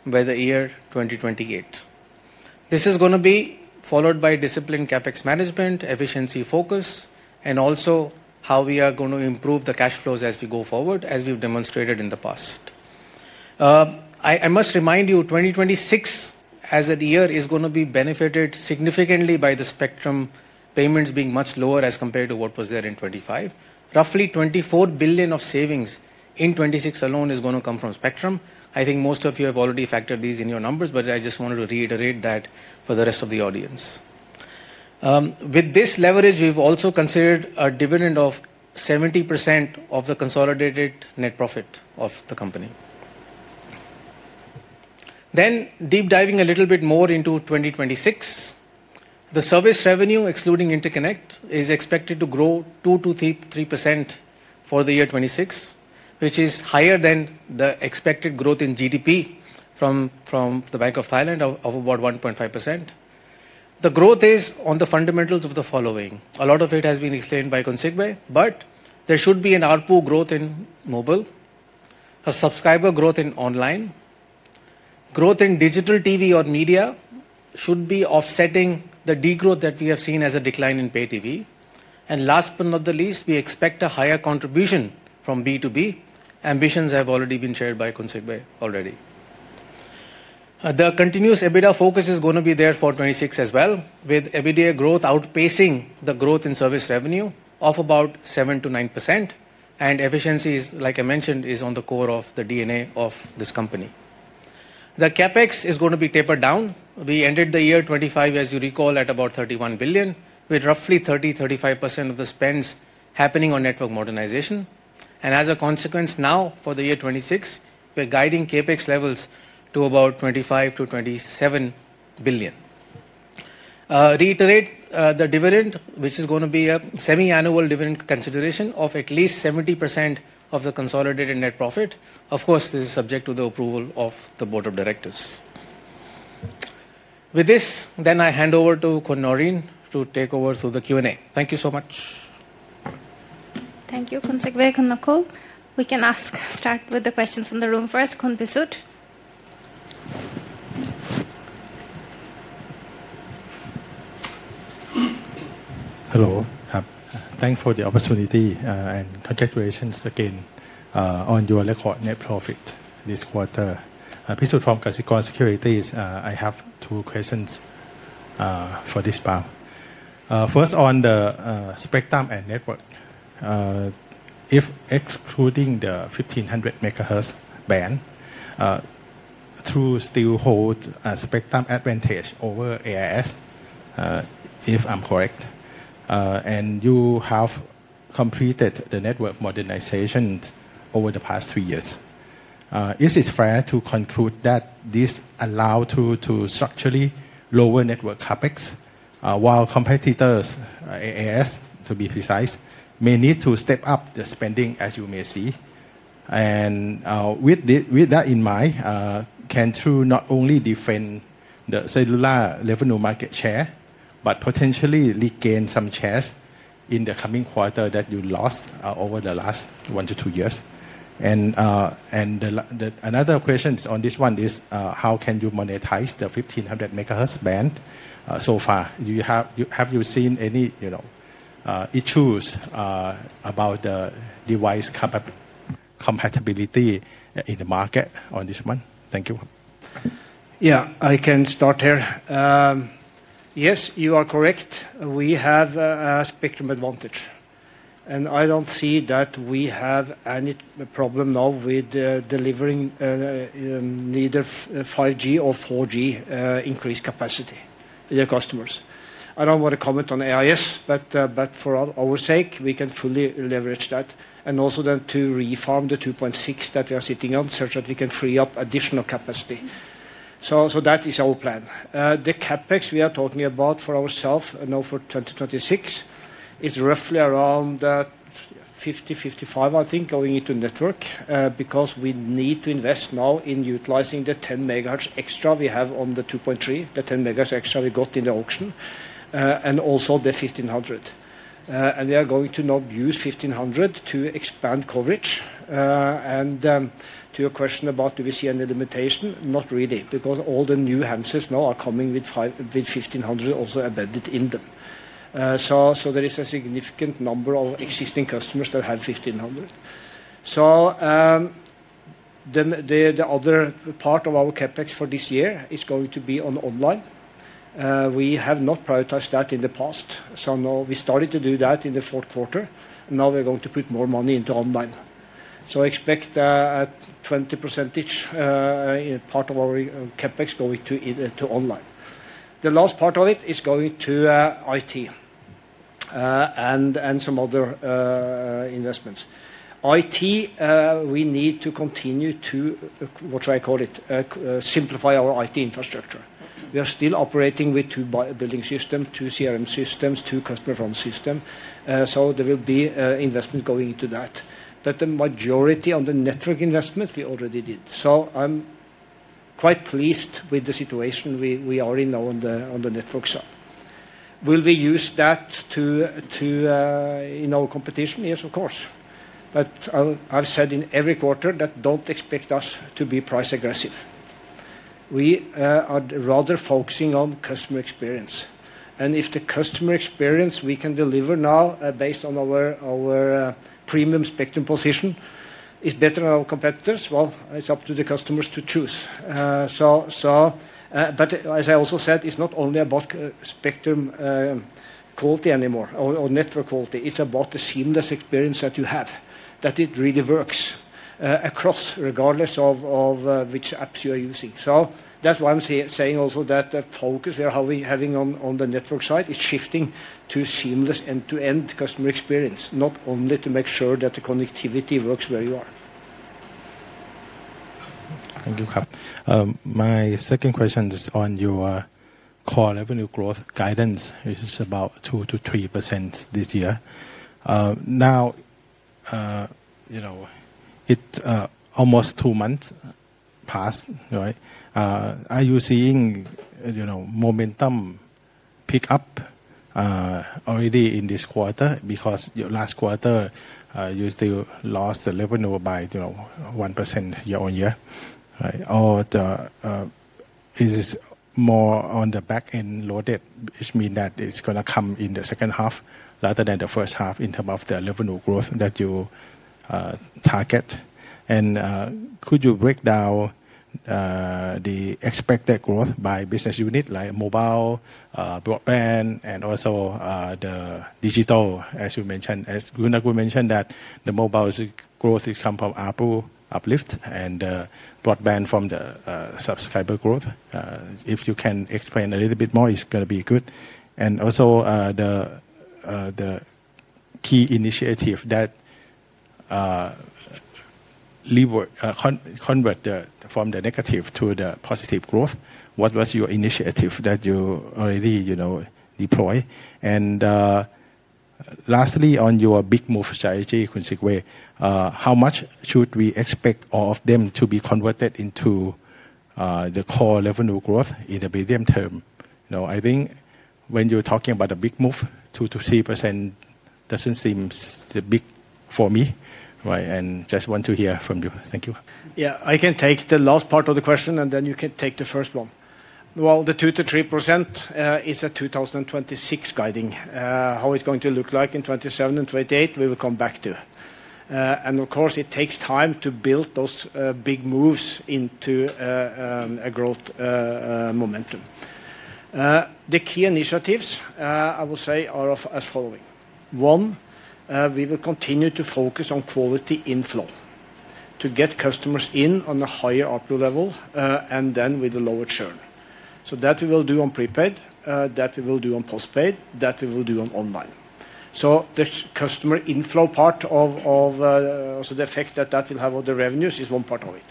by the year 2028. This is gonna be followed by disciplined CapEx management, efficiency focus, and also how we are gonna improve the cash flows as we go forward, as we've demonstrated in the past. I must remind you, 2026, as a year, is gonna be benefited significantly by the spectrum payments being much lower as compared to what was there in 2025. Roughly 24 billion of savings in 2026 alone is gonna come from spectrum. I think most of you have already factored these in your numbers, but I just wanted to reiterate that for the rest of the audience. With this leverage, we've also considered a dividend of 70% of the consolidated net profit of the company. Then, deep diving a little bit more into 2026, the service revenue, excluding interconnect, is expected to grow 2-3.3% for the year 2026, which is higher than the expected growth in GDP from the Bank of Thailand of about 1.5%. The growth is on the fundamentals of the following. A lot of it has been explained by Khun Sigve, but there should be an ARPU growth in mobile, a subscriber growth in online. Growth in digital TV or media should be offsetting the degrowth that we have seen as a decline in pay TV. Last but not the least, we expect a higher contribution from B2B. Ambitions have already been shared by Khun Sigve already. The continuous EBITDA focus is gonna be there for 2026 as well, with EBITDA growth outpacing the growth in service revenue of about 7%-9%, and efficiency is, like I mentioned, is on the core of the DNA of this company. The CapEx is gonna be tapered down. We ended the year 2025, as you recall, at about 31 billion, with roughly 30%-35% of the spends happening on network modernization. As a consequence, now, for the year 2026, we're guiding CapEx levels to about 25 billion-27 billion. Reiterate, the dividend, which is gonna be a semi-annual dividend consideration of at least 70% of the consolidated net profit. Of course, this is subject to the approval of the board of directors. With this, then I hand over to Khun Naureen to take over through the Q&A. Thank you so much. Thank you, Khun Sigve and Nakul. We can start with the questions in the room first, Khun Pisut? Hello. Thanks for the opportunity, and congratulations again, on your record net profit this quarter. I'm Pisut from Kasikorn Securities. I have two questions, for this round. First, on the spectrum and network. If excluding the 1,500 MHz band, True still hold a spectrum advantage over AIS, if I'm correct, and you have completed the network modernization over the past three years. Is it fair to conclude that this allow True to structurally lower network CapEx, while competitors, AIS, to be precise, may need to step up the spending, as you may see? And, with that in mind, can True not only defend the cellular revenue market share, but potentially regain some shares in the coming quarter that you lost, over the last one to two years? Another question on this one is, how can you monetize the 1,500 MHz band so far? Have you seen any, you know, issues about the device compatibility in the market on this one? Thank you. Yeah, I can start here. Yes, you are correct. We have a spectrum advantage, and I don't see that we have any problem now with delivering either 5G or 4G increased capacity to the customers. I don't want to comment on AIS, but for our sake, we can fully leverage that, and also then to refarm the 2.6 that we are sitting on, such that we can free up additional capacity. That is our plan. The CapEx we are talking about for ourselves, now for 2026, is roughly around 50-55, I think, going into network. Because we need to invest now in utilizing the 10 MHz extra we have on the 2.3, the 10 MHz extra we got in the auction, and also the 1,500. We are going to now use 1,500 to expand coverage. To your question about do we see any limitation? Not really, because all the new handsets now are coming with 1,500 also embedded in them. There is a significant number of existing customers that have 1,500. The other part of our CapEx for this year is going to be on online. We have not prioritized that in the past, so now we started to do that in the fourth quarter, now we're going to put more money into online. Expect a 20% part of our CapEx going to online. The last part of it is going to IT, and some other investments. It, we need to continue to, what should I call it? simplify our IT infrastructure. We are still operating with two billing systems, two CRM systems, two customer phone systems, so there will be investment going into that. But the majority on the network investment, we already did. So I'm quite pleased with the situation we are in now on the network side. Will we use that to in our competition? Yes, of course, but I've said in every quarter that don't expect us to be price aggressive. We are rather focusing on customer experience, and if the customer experience we can deliver now, based on our premium spectrum position is better than our competitors, well, it's up to the customers to choose. So, but as I also said, it's not only about spectrum quality anymore, or network quality, it's about the seamless experience that you have, that it really works across, regardless of which apps you are using. So that's why I'm saying also that the focus we are having on the network side is shifting to seamless end-to-end customer experience, not only to make sure that the connectivity works where you are. Thank you. My second question is on your core revenue growth guidance, which is about 2%-3% this year. Now, you know, it is almost two months passed, right? Are you seeing, you know, momentum pick up, already in this quarter? Because your last quarter, you still lost the revenue by, you know, 1% year-over-year, right? Is this more on the back-end loaded, which means that it's gonna come in the second half rather than the first half in terms of the revenue growth that you target? Could you break down the expected growth by business unit, like mobile, broadband, and also the digital, as you mentioned? As we mentioned, the mobile growth is come from ARPU uplift and broadband from the subscriber growth. If you can explain a little bit more, it's gonna be good. Also, the key initiative that lever- convert the, from the negative to the positive growth, what was your initiative that you already, you know, deploy? Lastly, on your big move strategy, Khun Sigve, how much should we expect all of them to be converted into the core revenue growth in the medium term? You know, I think when you're talking about a big move, 2-3% doesn't seem big for me, right? Just want to hear from you. Thank you. Yeah, I can take the last part of the question, and then you can take the first one. Well, the 2-3%, is a 2026 guiding. How it's going to look like in 2027 and 2028, we will come back to. Of course, it takes time to build those big moves into a growth momentum. The key initiatives, I will say, are as following: One, we will continue to focus on quality inflow, to get customers in on a higher output level, and then with a lower churn. That we will do on prepaid, that we will do on postpaid, that we will do on online. The customer inflow part of, of, the effect that that will have on the revenues is one part of it.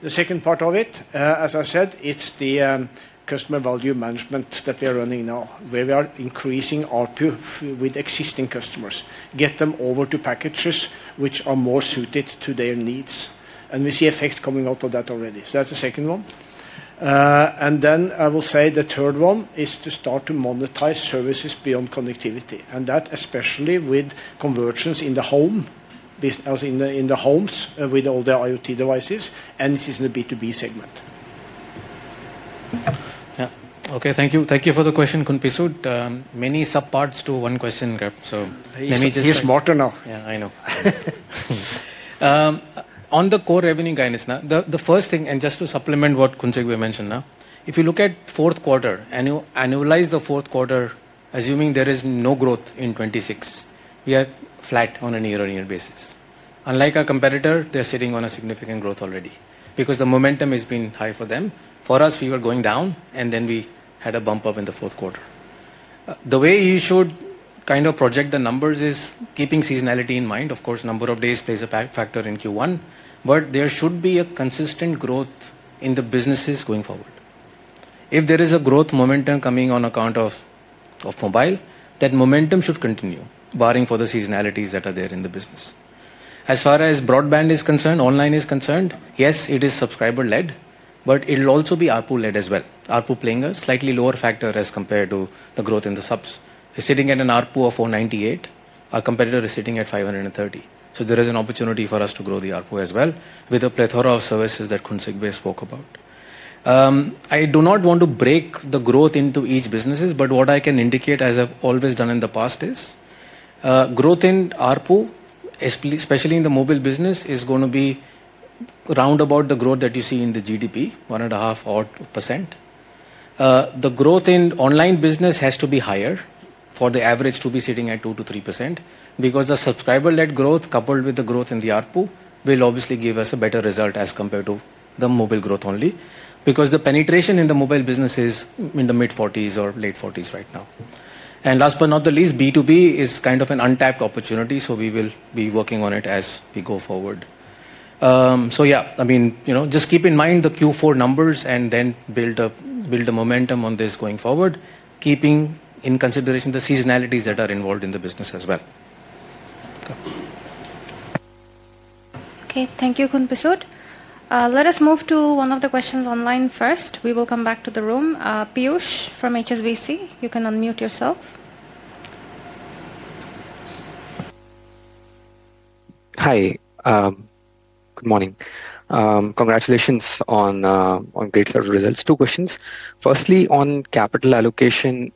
The second part of it, as I said, it's the customer volume management that we are running now, where we are increasing ARPU with existing customers, get them over to packages which are more suited to their needs, and we see effects coming out of that already. So that's the second one. And then I will say the third one is to start to monetize services beyond connectivity, and that especially with conversions in the home, as in the homes, with all the IoT devices, and this is in the B2B segment. Yeah. Okay, thank you. Thank you for the question, Pisut. Many subparts to one question, so let me just He's smarter now. Yeah, I know. On the core revenue guidance, now, the first thing, and just to supplement what Khun Sigve mentioned now. If you look at fourth quarter, annualize the fourth quarter, assuming there is no growth in 2026, we are flat on a year-on-year basis. Unlike our competitor, they're sitting on a significant growth already because the momentum has been high for them. For us, we were going down, and then we had a bump up in the fourth quarter. The way you should kind of project the numbers is keeping seasonality in mind. Of course, number of days plays a factor in Q1, but there should be a consistent growth in the businesses going forward. If there is a growth momentum coming on account of mobile, that momentum should continue, barring for the seasonalities that are there in the business. As far as broadband is concerned, online is concerned, yes, it is subscriber-led, but it'll also be ARPU-led as well. ARPU playing a slightly lower factor as compared to the growth in the subs. We're sitting at an ARPU of 498. Our competitor is sitting at 530. So there is an opportunity for us to grow the ARPU as well with a plethora of services that Khun Sigve spoke about. I do not want to break the growth into each businesses, but what I can indicate, as I've always done in the past, is, growth in ARPU, especially in the mobile business, is gonna be round about the growth that you see in the GDP, 1.5% odd. The growth in online business has to be higher for the average to be sitting at 2%-3% because the subscriber-led growth, coupled with the growth in the ARPU, will obviously give us a better result as compared to the mobile growth only. Because the penetration in the mobile business is in the mid-forties or late forties right now. And last but not the least, B2B is kind of an untapped opportunity, so we will be working on it as we go forward. So yeah, I mean, you know, just keep in mind the Q4 numbers and then build a, build a momentum on this going forward, keeping in consideration the seasonalities that are involved in the business as well. Okay. Okay. Thank you, Khun Pisut. Let us move to one of the questions online first. We will come back to the room. Piyush from HSBC, you can unmute yourself. Hi. Good morning. Congratulations on great set of results. Two questions. Firstly, on capital allocation,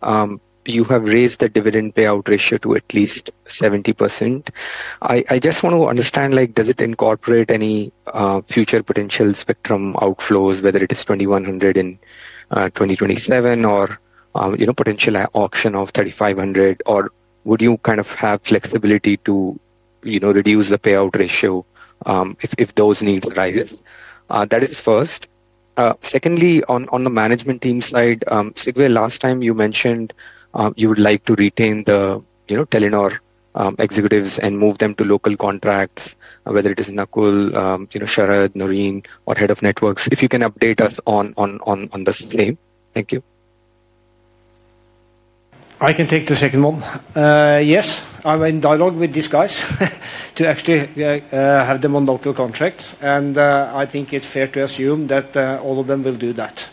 you have raised the dividend payout ratio to at least 70%. I just want to understand, like, does it incorporate any future potential spectrum outflows, whether it is 2100 in 2027 or, you know, potential auction of 3500, or would you kind of have flexibility to, you know, reduce the payout ratio, if those needs rise? That is first. Secondly, on the management team side, Sigve, last time you mentioned you would like to retain the, you know, Telenor executives and move them to local contracts, whether it is Nakul, you know, Sharad, Naureen, or head of networks. If you can update us on the same. Thank you. I can take the second one. Yes, I'm in dialogue with these guys to actually have them on local contracts, and I think it's fair to assume that all of them will do that.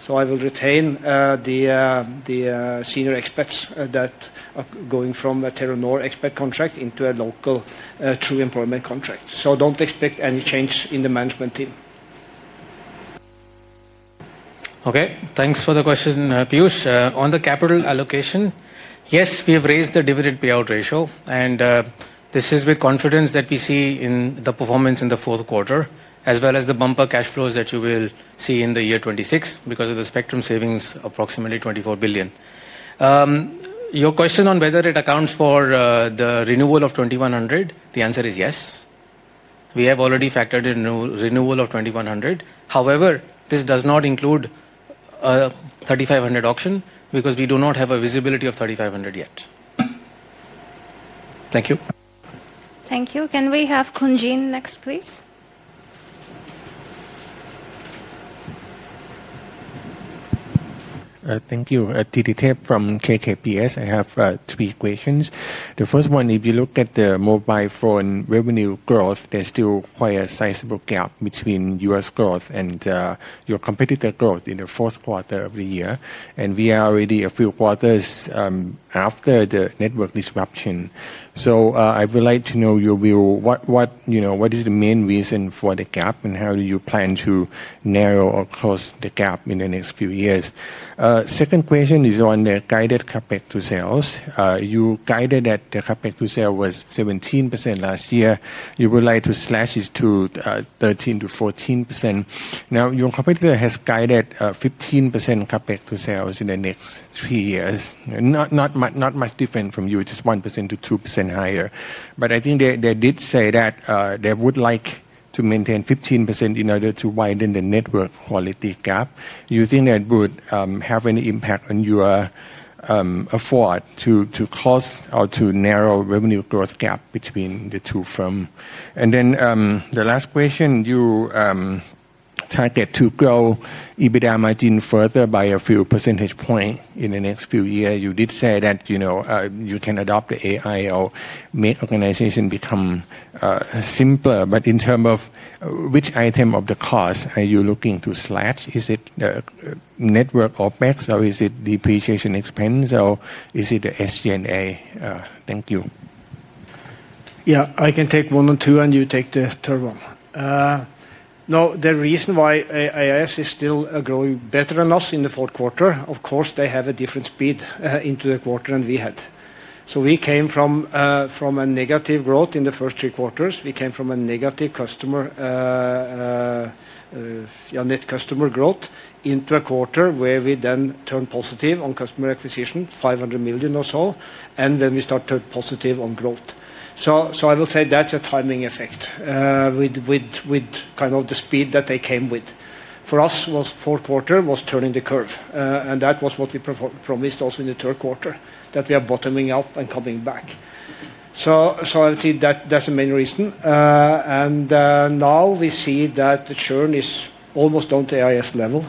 So I will retain the senior experts that are going from a Telenor expert contract into a local True employment contract. So don't expect any change in the management team. Okay. Thanks for the question, Piyush. On the capital allocation, yes, we have raised the dividend payout ratio, and this is with confidence that we see in the performance in the fourth quarter, as well as the bumper cash flows that you will see in the year 2026 because of the spectrum savings, approximately 24 billion. Your question on whether it accounts for the renewal of 2100, the answer is yes. We have already factored in new renewal of 2100. However, this does not include 3500 auction, because we do not have a visibility of 3500 yet. Thank you. Thank you. Can we have Thitithep next, please? Thank you. Thitithep from KKPS. I have three questions. The first one, if you look at the mobile phone revenue growth, there's still quite a sizable gap between our growth and your competitor growth in the fourth quarter of the year, and we are already a few quarters after the network disruption. So, I would like to know your view, what, what, you know, what is the main reason for the gap, and how do you plan to narrow or close the gap in the next few years? Second question is on the guided CapEx to sales. You guided that the CapEx to sales was 17% last year. You would like to slash this to 13%-14%. Now, your competitor has guided 15% CapEx to sales in the next three years. Not much, not much different from you, just 1%-2% higher. But I think they did say that they would like to maintain 15% in order to widen the network quality gap. You think that would have any impact on your effort to close or to narrow revenue growth gap between the two firm? And then, the last question, you targeted to grow EBITDA margin further by a few percentage point in the next few years. You did say that, you know, you can adopt the AI or make organization become simpler. But in term of which item of the cost are you looking to slash? Is it network OpEx, or is it depreciation expense, or is it the SG&A? Thank you. Yeah, I can take one and two, and you take the third one. Now, the reason why AIS is still growing better than us in the fourth quarter, of course, they have a different speed into the quarter than we had. We came from negative growth in the first three quarters. We came from negative customer, yeah, net customer growth into a quarter where we then turned positive on customer acquisition, 500 million or so, and then we started positive on growth. I will say that's a timing effect, with kind of the speed that they came with. For us, fourth quarter was turning the curve, and that was what we promised also in the third quarter, that we are bottoming up and coming back. I would say that that's the main reason. Now we see that the churn is almost on the AIS level,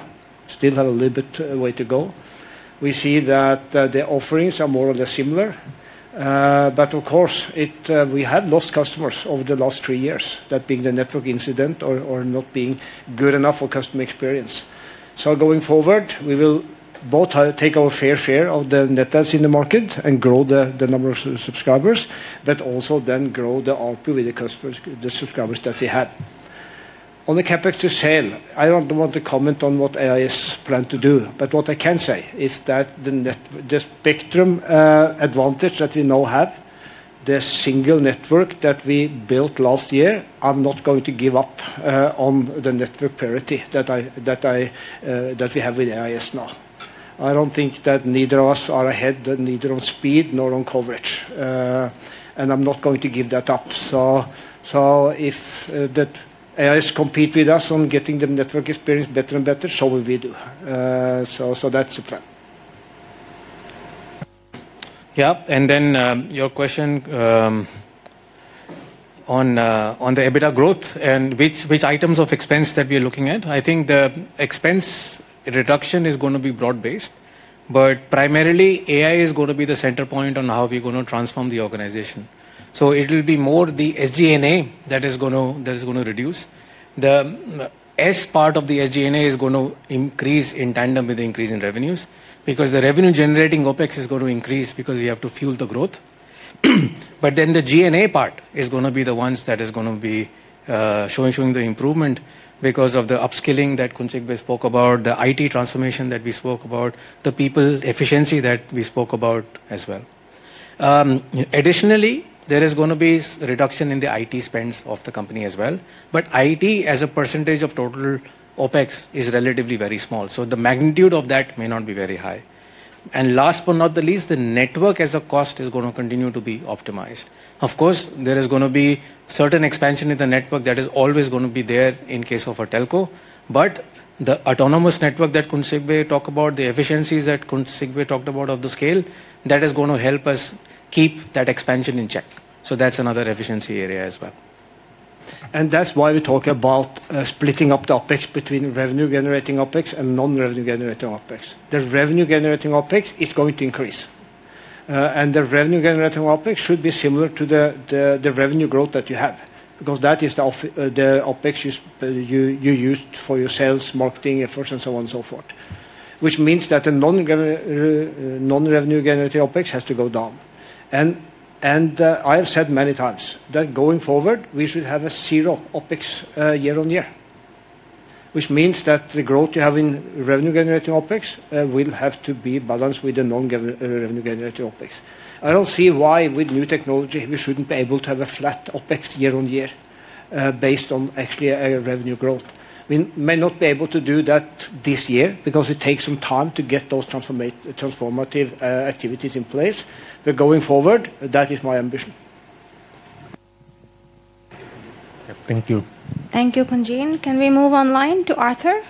still have a little bit way to go. We see that the offerings are more or less similar. Of course, we have lost customers over the last three years, that being the network incident or not being good enough for customer experience. Going forward, we will both have to take our fair share of the net adds in the market and grow the number of subscribers, but also then grow the ARPU with the customers, the subscribers that we have. On the CapEx to sale, I don't want to comment on what AIS plan to do, but what I can say is that the spectrum advantage that we now have, the single network that we built last year, I'm not going to give up on the network parity that we have with AIS now. I don't think that neither of us are ahead, neither on speed nor on coverage. And I'm not going to give that up. So, if that AIS compete with us on getting the network experience better and better, so will we do. So, that's the plan. Yeah, and then your question on the EBITDA growth and which items of expense that we are looking at. I think the expense reduction is gonna be broad-based, but primarily, AI is gonna be the center point on how we're gonna transform the organization. So it will be more the SG&A that is gonna reduce. The S part of the SG&A is gonna increase in tandem with the increase in revenues, because the revenue-generating OpEx is going to increase because you have to fuel the growth. But then the G&A part is gonna be the ones that is gonna be showing the improvement because of the upskilling that Sigve Brekke spoke about, the IT transformation that we spoke about, the people efficiency that we spoke about as well. Additionally, there is gonna be reduction in the IT spends of the company as well, but IT, as a percentage of total OpEx, is relatively very small, so the magnitude of that may not be very high. And last but not the least, the network as a cost is gonna continue to be optimized. Of course, there is gonna be certain expansion in the network that is always gonna be there in case of a telco, but the autonomous network that Sigve Brekke talk about, the efficiencies that Sigve Brekke talked about of the scale, that is gonna help us keep that expansion in check. So that's another efficiency area as well. That's why we talk about splitting up the OpEx between revenue-generating OpEx and non-revenue-generating OpEx. The revenue-generating OpEx is going to increase. The revenue-generating OpEx should be similar to the revenue growth that you have because that is the OpEx you use for your sales, marketing efforts, and so on and so forth. Which means that the non-revenue-generating OpEx has to go down. I have said many times that going forward, we should have a zero OpEx year on year, which means that the growth you have in revenue-generating OpEx will have to be balanced with the non-revenue-generating OpEx. I don't see why, with new technology, we shouldn't be able to have a flat OpEx year on year, based on actually a revenue growth. We may not be able to do that this year because it takes some time to get those transformative activities in place, but going forward, that is my ambition. Thank you. Thank you, Kunjin. Can we move online to Arthur?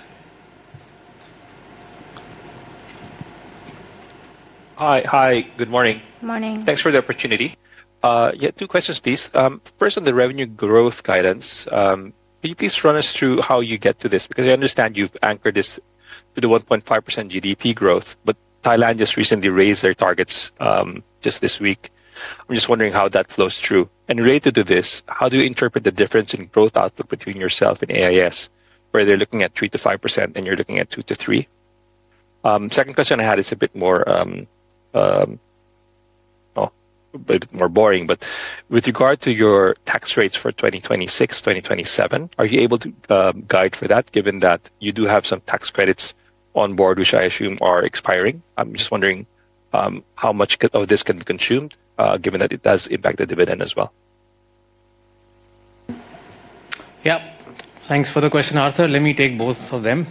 Hi, hi. Good morning. Morning. Thanks for the opportunity. Yeah, two questions, please. First, on the revenue growth guidance, can you please run us through how you get to this? Because I understand you've anchored this to the 1.5% GDP growth, but Thailand just recently raised their targets, just this week. I'm just wondering how that flows through. And related to this, how do you interpret the difference in growth output between yourself and AIS, where they're looking at 3%-5%, and you're looking at 2%-3%? Second question I had is a bit more, well, a bit more boring, but with regard to your tax rates for 2026, 2027, are you able to guide for that, given that you do have some tax credits on board, which I assume are expiring? I'm just wondering, how much of this can be consumed, given that it does impact the dividend as well. Yeah. Thanks for the question, Arthur. Let me take both of them.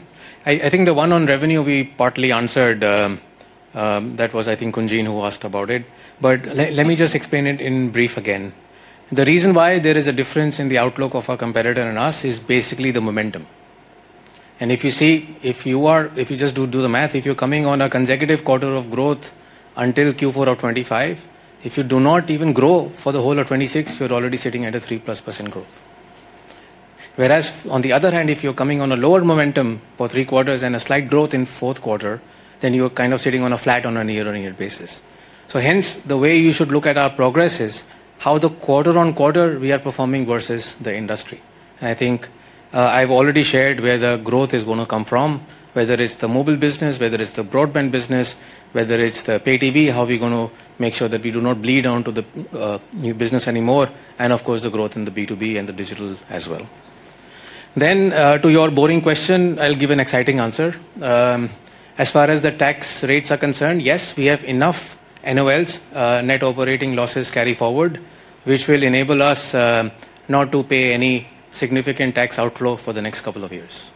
I, I think the one on revenue, we partly answered. That was, I think, Kunjin, who asked about it. But let me just explain it in brief again. The reason why there is a difference in the outlook of our competitor and us is basically the momentum. And if you see, if you just do the math, if you're coming on a consecutive quarter of growth until Q4 of 2025, if you do not even grow for the whole of 2026, you're already sitting at a 3%+ growth. Whereas, on the other hand, if you're coming on a lower momentum for three quarters and a slight growth in fourth quarter, then you're kind of sitting on a flat on a year-on-year basis. So hence, the way you should look at our progress is how the quarter-on-quarter we are performing versus the industry. And I think, I've already shared where the growth is gonna come from, whether it's the mobile business, whether it's the broadband business, whether it's the pay TV, how we're gonna make sure that we do not bleed onto the, new business anymore, and of course, the growth in the B2B and the digital as well. Then, to your boring question, I'll give an exciting answer. As far as the tax rates are concerned, yes, we have enough NOLs, net operating losses carryforward, which will enable us, not to pay any significant tax outflow for the next couple of years.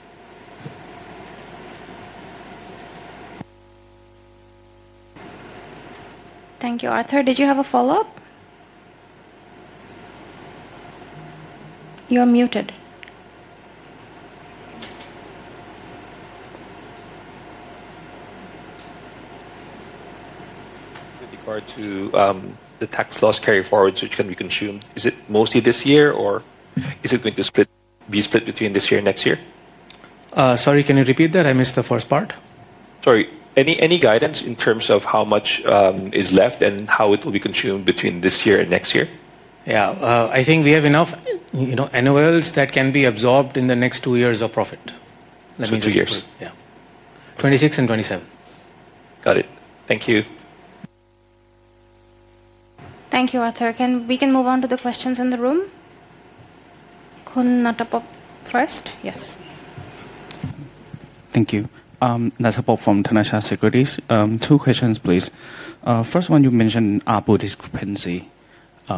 Thank you. Arthur, did you have a follow-up? You are muted. With regard to the tax loss carryforwards, which can be consumed, is it mostly this year, or is it going to split, be split between this year and next year? Sorry, can you repeat that? I missed the first part. Sorry. Any, any guidance in terms of how much is left and how it will be consumed between this year and next year? Yeah, I think we have enough, you know, NOLs that can be absorbed in the next two years of profit. So two years? Yeah. 26 and 27. Got it. Thank you. Thank you, Arthur. Can we move on to the questions in the room? Khun Nuttapop first. Yes. Thank you. Natapob from Thanachart Securities. Two questions, please. First one, you mentioned ARPU discrepancy,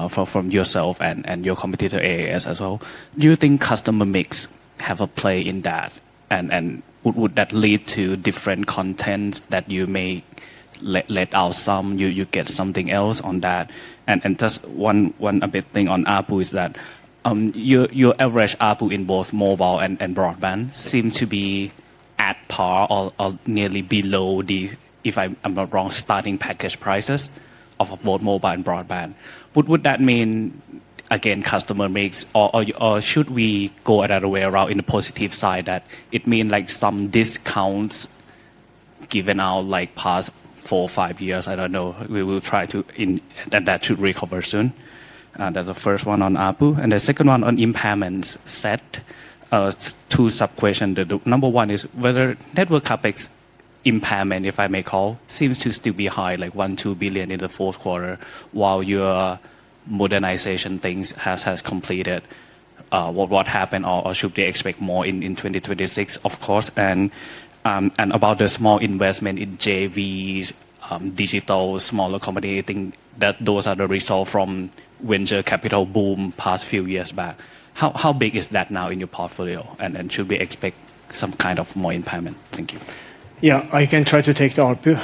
from yourself and your competitor, AIS, as well. Do you think customer mix have a play in that? And would that lead to different contents that you may let out some, you get something else on that? And just one a bit thing on ARPU is that, your average ARPU in both mobile and broadband seem to be at par or nearly below the, if I'm not wrong, starting package prices of both mobile and broadband. Would that mean, again, customer mix or should we go another way around in a positive side, that it mean like some discounts given out, like, past four, five years? I don't know. We will try to in And that should recover soon. That's the first one on ARPU, and the second one on impairments set. Two sub-questions. Number one is whether network CapEx impairment, if I may call it, seems to still be high, like 1-2 billion in the fourth quarter, while your modernization things has completed. What happened, or should we expect more in 2026, of course? And about the small investment in JVs, digital, smaller accommodating, that those are the result from venture capital boom past few years back. How big is that now in your portfolio? And then should we expect some kind of more impairment? Thank you. Yeah, I can try to take the ARPU.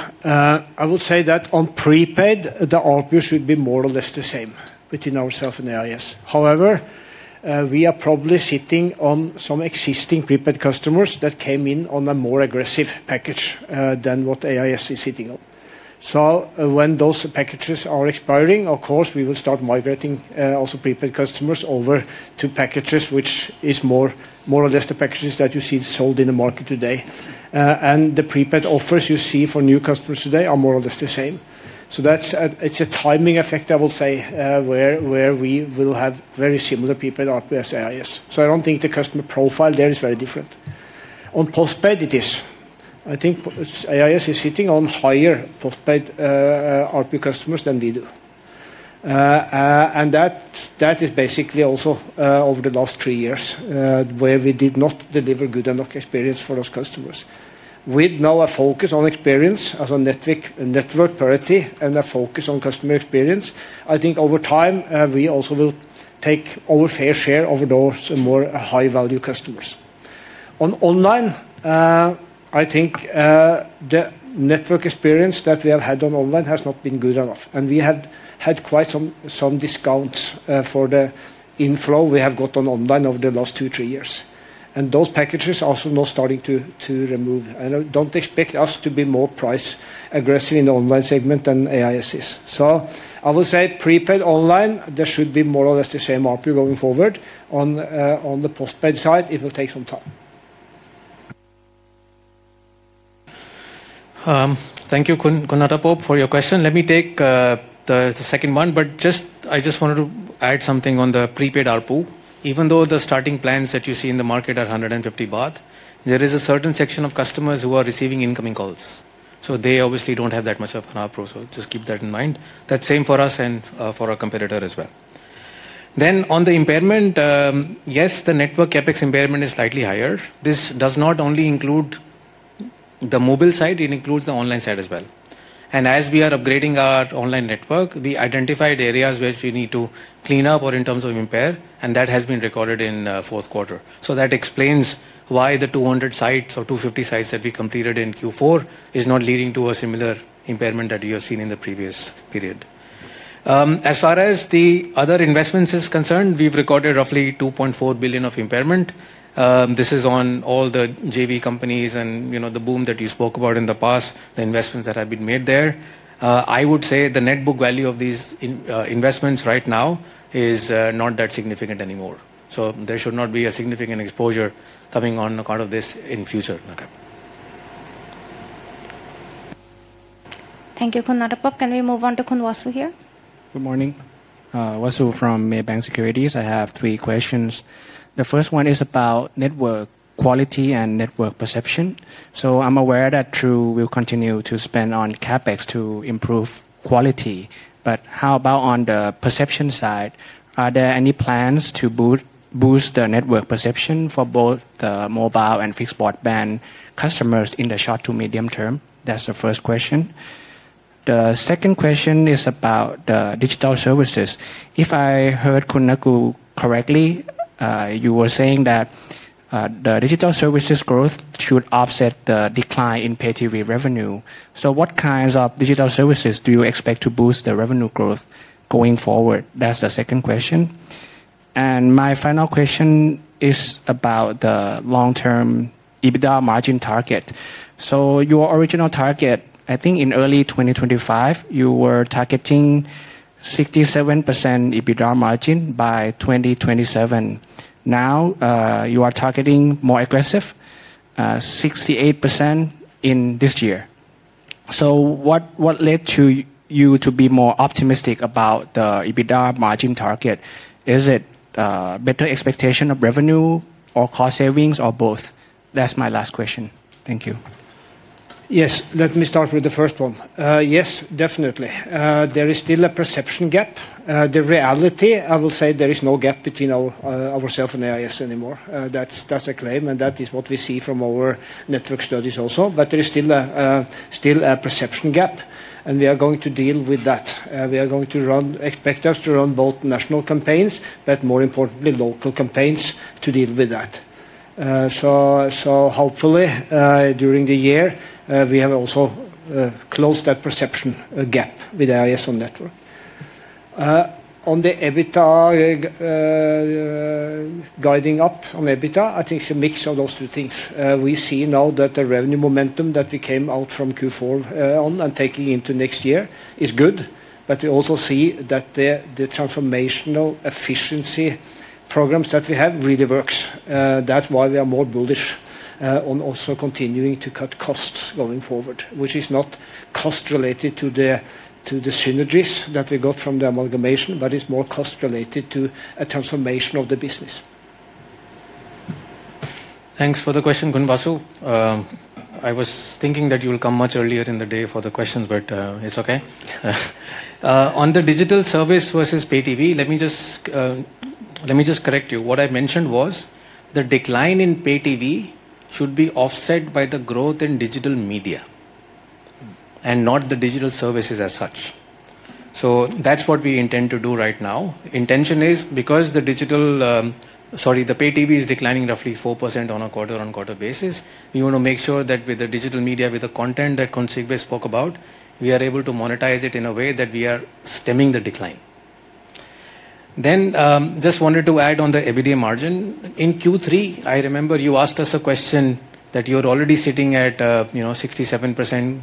I will say that on prepaid, the ARPU should be more or less the same between ourself and AIS. However, we are probably sitting on some existing prepaid customers that came in on a more aggressive package than what AIS is sitting on. When those packages are expiring, of course, we will start migrating also prepaid customers over to packages, which is more or less the packages that you see sold in the market today. The prepaid offers you see for new customers today are more or less the same. That's a timing effect, I will say, where we will have very similar people at AIS. I don't think the customer profile there is very different. On postpaid, it is. I think AIS is sitting on higher postpaid, ARPU customers than we do. And that is basically also over the last three years, where we did not deliver good enough experience for those customers. With now a focus on experience as a network, network priority and a focus on customer experience, I think over time, we also will take our fair share of those more high-value customers. On online, I think the network experience that we have had on online has not been good enough, and we have had quite some discounts for the inflow we have got on online over the last two, three years. And those packages are also now starting to remove. And don't expect us to be more price aggressive in the online segment than AIS is. So I would say prepaid online, there should be more or less the same ARPU going forward. On, on the postpaid side, it will take some time. Thank you, Khun Natapob, for your question. Let me take the second one, but just, I just wanted to add something on the prepaid ARPU. Even though the starting plans that you see in the market are 150 baht, there is a certain section of customers who are receiving incoming calls, so they obviously don't have that much of an ARPU, so just keep that in mind. That's the same for us and for our competitor as well. Then on the impairment, yes, the network CapEx impairment is slightly higher. This does not only include the mobile side, it includes the online side as well. And as we are upgrading our online network, we identified areas which we need to clean up or in terms of impair, and that has been recorded in fourth quarter. So that explains why the 200 sites or 250 sites that we completed in Q4 is not leading to a similar impairment that you have seen in the previous period. As far as the other investments is concerned, we've recorded roughly 2.4 billion of impairment. This is on all the JV companies and, you know, the boom that you spoke about in the past, the investments that have been made there. I would say the net book value of these investments right now is not that significant anymore, so there should not be a significant exposure coming on account of this in future. Okay. Thank you, Khun Nuttapop. Can we move on to Khun Wasu here? Good morning. Wasu from Maybank Securities. I have three questions. The first one is about network quality and network perception. So I'm aware that True will continue to spend on CapEx to improve quality, but how about on the perception side? Are there any plans to boost the network perception for both the mobile and fixed broadband customers in the short to medium term? That's the first question. The second question is about the digital services. If I heard Khun Nakul correctly, you were saying that the digital services growth should offset the decline in pay TV revenue. So what kinds of digital services do you expect to boost the revenue growth going forward? That's the second question. And my final question is about the long-term EBITDA margin target. So your original target, I think in early 2025, you were targeting 67% EBITDA margin by 2027. Now, you are targeting more aggressive, 68% in this year. So what, what led to you to be more optimistic about the EBITDA margin target? Is it, better expectation of revenue or cost savings or both? That's my last question. Thank you. Yes, let me start with the first one. Yes, definitely. There is still a perception gap. The reality, I will say there is no gap between our, ourselves and AIS anymore. That's, that's a claim, and that is what we see from our network studies also. But there is still a, still a perception gap, and we are going to deal with that. We are going to run... Expect us to run both national campaigns, but more importantly, local campaigns to deal with that. So, so hopefully, during the year, we have also, closed that perception, gap with AIS on network. On the EBITDA, guiding up on EBITDA, I think it's a mix of those two things. We see now that the revenue momentum that we came out from Q4, on and taking into next year is good, but we also see that the transformational efficiency programs that we have really works. That's why we are more bullish, on also continuing to cut costs going forward, which is not cost related to the synergies that we got from the amalgamation, but is more cost related to a transformation of the business. Thanks for the question, Khun Wasu. I was thinking that you will come much earlier in the day for the questions, but it's okay. On the digital service versus pay TV, let me just let me just correct you. What I mentioned was the decline in pay TV should be offset by the growth in digital media and not the digital services as such. So that's what we intend to do right now. Intention is because the digital. Sorry, the pay TV is declining roughly 4% on a quarter-on-quarter basis. We want to make sure that with the digital media, with the content that Khun Sigve spoke about, we are able to monetize it in a way that we are stemming the decline. Then, just wanted to add on the EBITDA margin. In Q3, I remember you asked us a question that you're already sitting at, you know, 67%,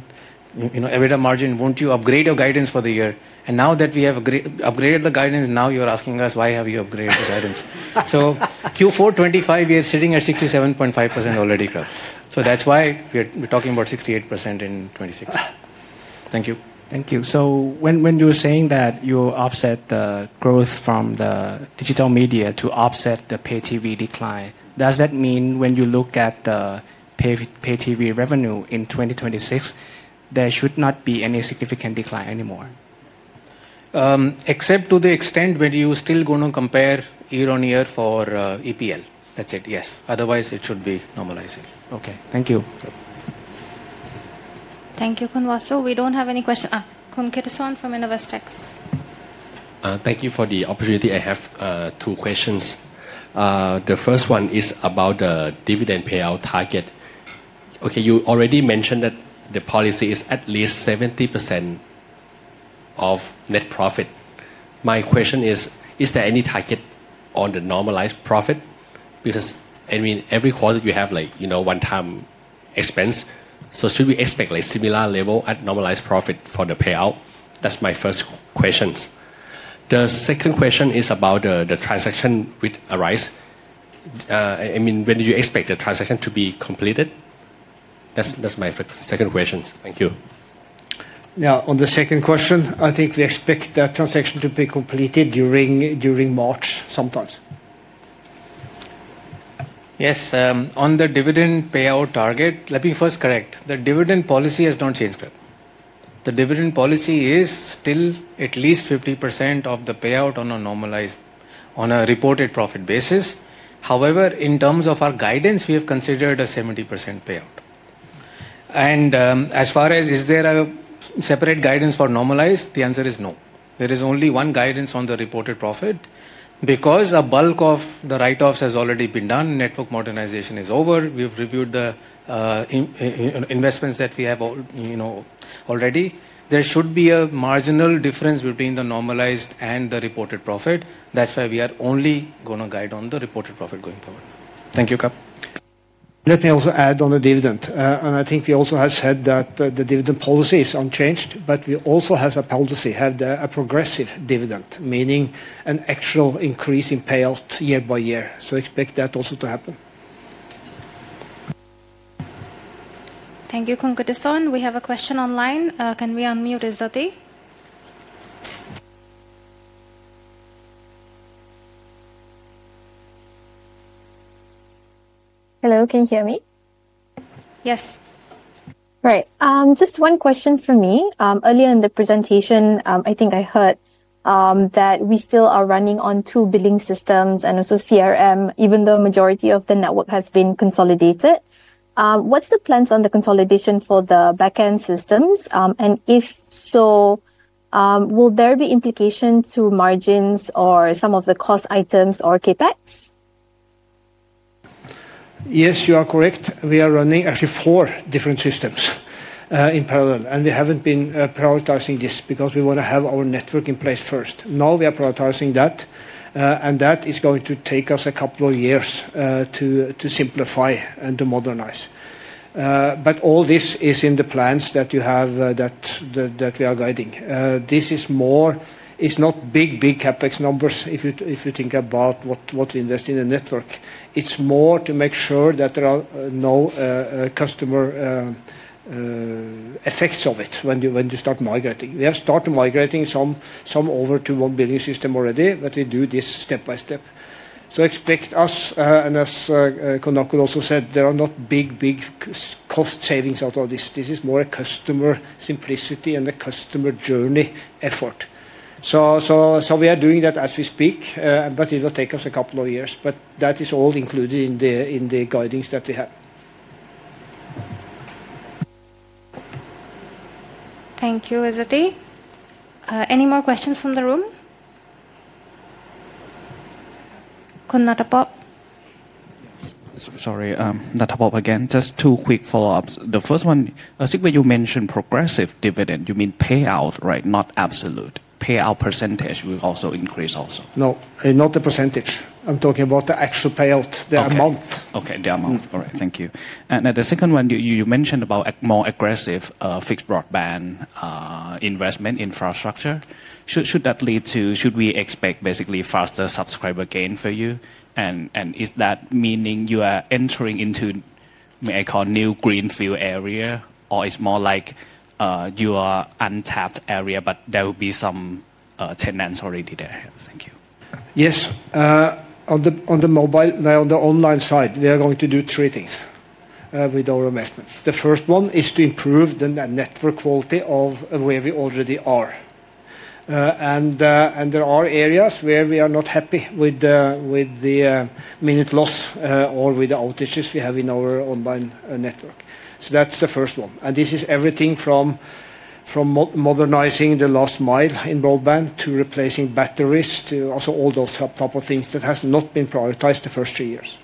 you know, EBITDA margin, won't you upgrade your guidance for the year? And now that we have upgraded the guidance, now you are asking us, why have you upgraded the guidance? So Q4 2025, we are sitting at 67.5% already growth. So that's why we're, we're talking about 68% in 2026. Thank you. Thank you. So when you're saying that you offset the growth from the digital media to offset the pay TV decline, does that mean when you look at the pay TV revenue in 2026, there should not be any significant decline anymore? Except to the extent where you still gonna compare year-on-year for EPL. That's it, yes. Otherwise, it should be normalizing. Okay, thank you. Thank you, Khun Wasu. We don't have any question. Khun Kittisorn from InnovestX. Thank you for the opportunity. I have two questions. The first one is about the dividend payout target. Okay, you already mentioned that the policy is at least 70% of net profit. My question is, is there any target on the normalized profit? Because, I mean, every quarter you have, like, you know, one-time expense. So should we expect a similar level at normalized profit for the payout? That's my first questions. The second question is about the transaction with Arise. I mean, when do you expect the transaction to be completed? That's my second questions. Thank you. Now, on the second question, I think we expect that transaction to be completed during March sometimes. Yes, on the dividend payout target, let me first correct. The dividend policy has not changed. The dividend policy is still at least 50% of the payout on a normalized, on a reported profit basis. However, in terms of our guidance, we have considered a 70% payout. And, as far as is there a separate guidance for normalized, the answer is no. There is only one guidance on the reported profit. Because a bulk of the write-offs has already been done, network modernization is over, we've reviewed the investments that we have all, you know, already, there should be a marginal difference between the normalized and the reported profit. That's why we are only gonna guide on the reported profit going forward. Thank you, Kap. Let me also add on the dividend. And I think we also have said that the dividend policy is unchanged, but we also have a policy of a progressive dividend, meaning an actual increase in payout year by year. So expect that also to happen. Thank you, Khun Kittisorn. We have a question online. Can we unmute Ezzati? Hello, can you hear me? Yes. Right. Just one question from me. Earlier in the presentation, I think I heard that we still are running on two billing systems and also CRM, even though majority of the network has been consolidated. What's the plans on the consolidation for the back-end systems? And if so, will there be implications to margins or some of the cost items or CapEx? Yes, you are correct. We are running actually four different systems in parallel, and we haven't been prioritizing this because we want to have our network in place first. Now, we are prioritizing that, and that is going to take us a couple of years to simplify and to modernize. But all this is in the plans that you have that we are guiding. This is more... It's not big, big CapEx numbers if you think about what we invest in the network. It's more to make sure that there are no customer effects of it when you start migrating. We have started migrating some over to one billing system already, but we do this step by step. Expect us, and as Khun Nakul also said, there are not big, big cost savings out of this. This is more a customer simplicity and a customer journey effort. So, we are doing that as we speak, but it will take us a couple of years. That is all included in the guidings that we have. Thank you, Ezzati. Any more questions from the room? Khun Natapob? Sorry, Natapob again. Just two quick follow-ups. The first one, Sigve, you mentioned progressive dividend, you mean payout, right? Not absolute. Payout percentage will also increase also. No, not the percentage. I'm talking about the actual payout, the amount. Okay. The amount. All right. Thank you. The second one, you mentioned about a more aggressive fixed broadband investment infrastructure. Should that lead to should we expect basically faster subscriber gain for you? Is that meaning you are entering into, may I call, new greenfield area, or it's more like you are untapped area, but there will be some tenants already there? Thank you. Yes. On the mobile, on the online side, we are going to do three things with our investments. The first one is to improve the network quality of where we already are. There are areas where we are not happy with the minute loss or with the outages we have in our online network. That's the first one, and this is everything from modernizing the last mile in broadband to replacing batteries, to also all those type of things that has not been prioritized the first two years.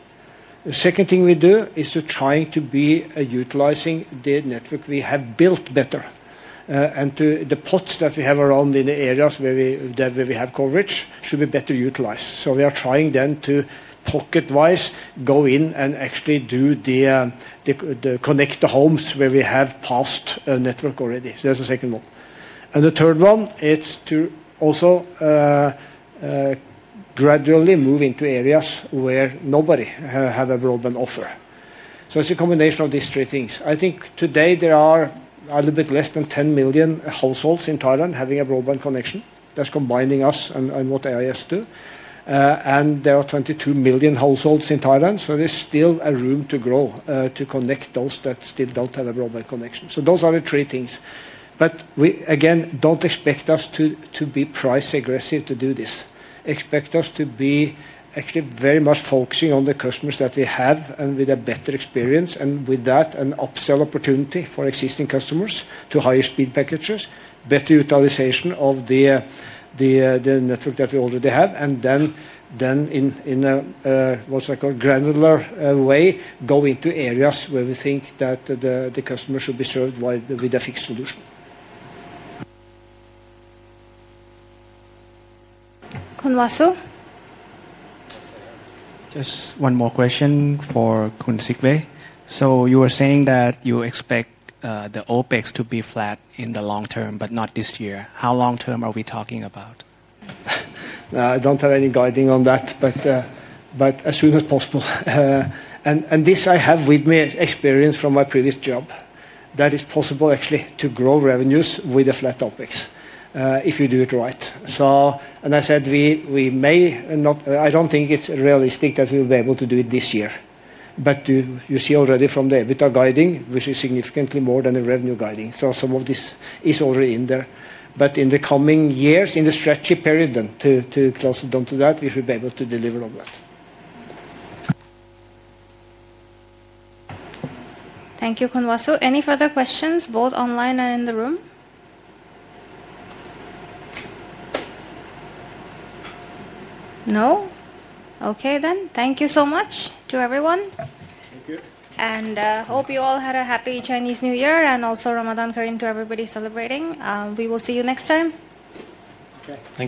The second thing we do is trying to be utilizing the network we have built better, and to the pots that we have around in the areas where we have coverage should be better utilized. So we are trying then to pocket-wise go in and actually do the connect the homes where we have passed a network already. So that's the second one. And the third one, it's to also gradually move into areas where nobody have a broadband offer. So it's a combination of these three things. I think today there are a little bit less than 10 million households in Thailand having a broadband connection. That's combining us and what AIS do. And there are 22 million households in Thailand, so there's still a room to grow to connect those that still don't have a broadband connection. So those are the three things. But we again don't expect us to be price aggressive to do this. Expect us to be actually very much focusing on the customers that we have and with a better experience, and with that, an upsell opportunity for existing customers to higher speed packages, better utilization of the network that we already have, and then in a granular way, go into areas where we think that the customer should be served with a fixed solution. Khun Wasu? Just one more question for Khun Sigve. So you were saying that you expect the OpEx to be flat in the long term, but not this year. How long term are we talking about? I don't have any guidance on that, but as soon as possible. And this I have with me experience from my previous job, that it's possible actually to grow revenues with a flat OpEx, if you do it right. So. And I said we may not. I don't think it's realistic that we'll be able to do it this year, but you see already from the EBITDA guidance, which is significantly more than the revenue guidance, so some of this is already in there. But in the coming years, in the strategy period then, to close down to that, we should be able to deliver on that. Thank you, Khun Wasu. Any further questions, both online and in the room? No? Okay then. Thank you so much to everyone. Thank you. Hope you all had a happy Chinese New Year and also Ramadan Kareem to everybody celebrating. We will see you next time. Okay. Thank you.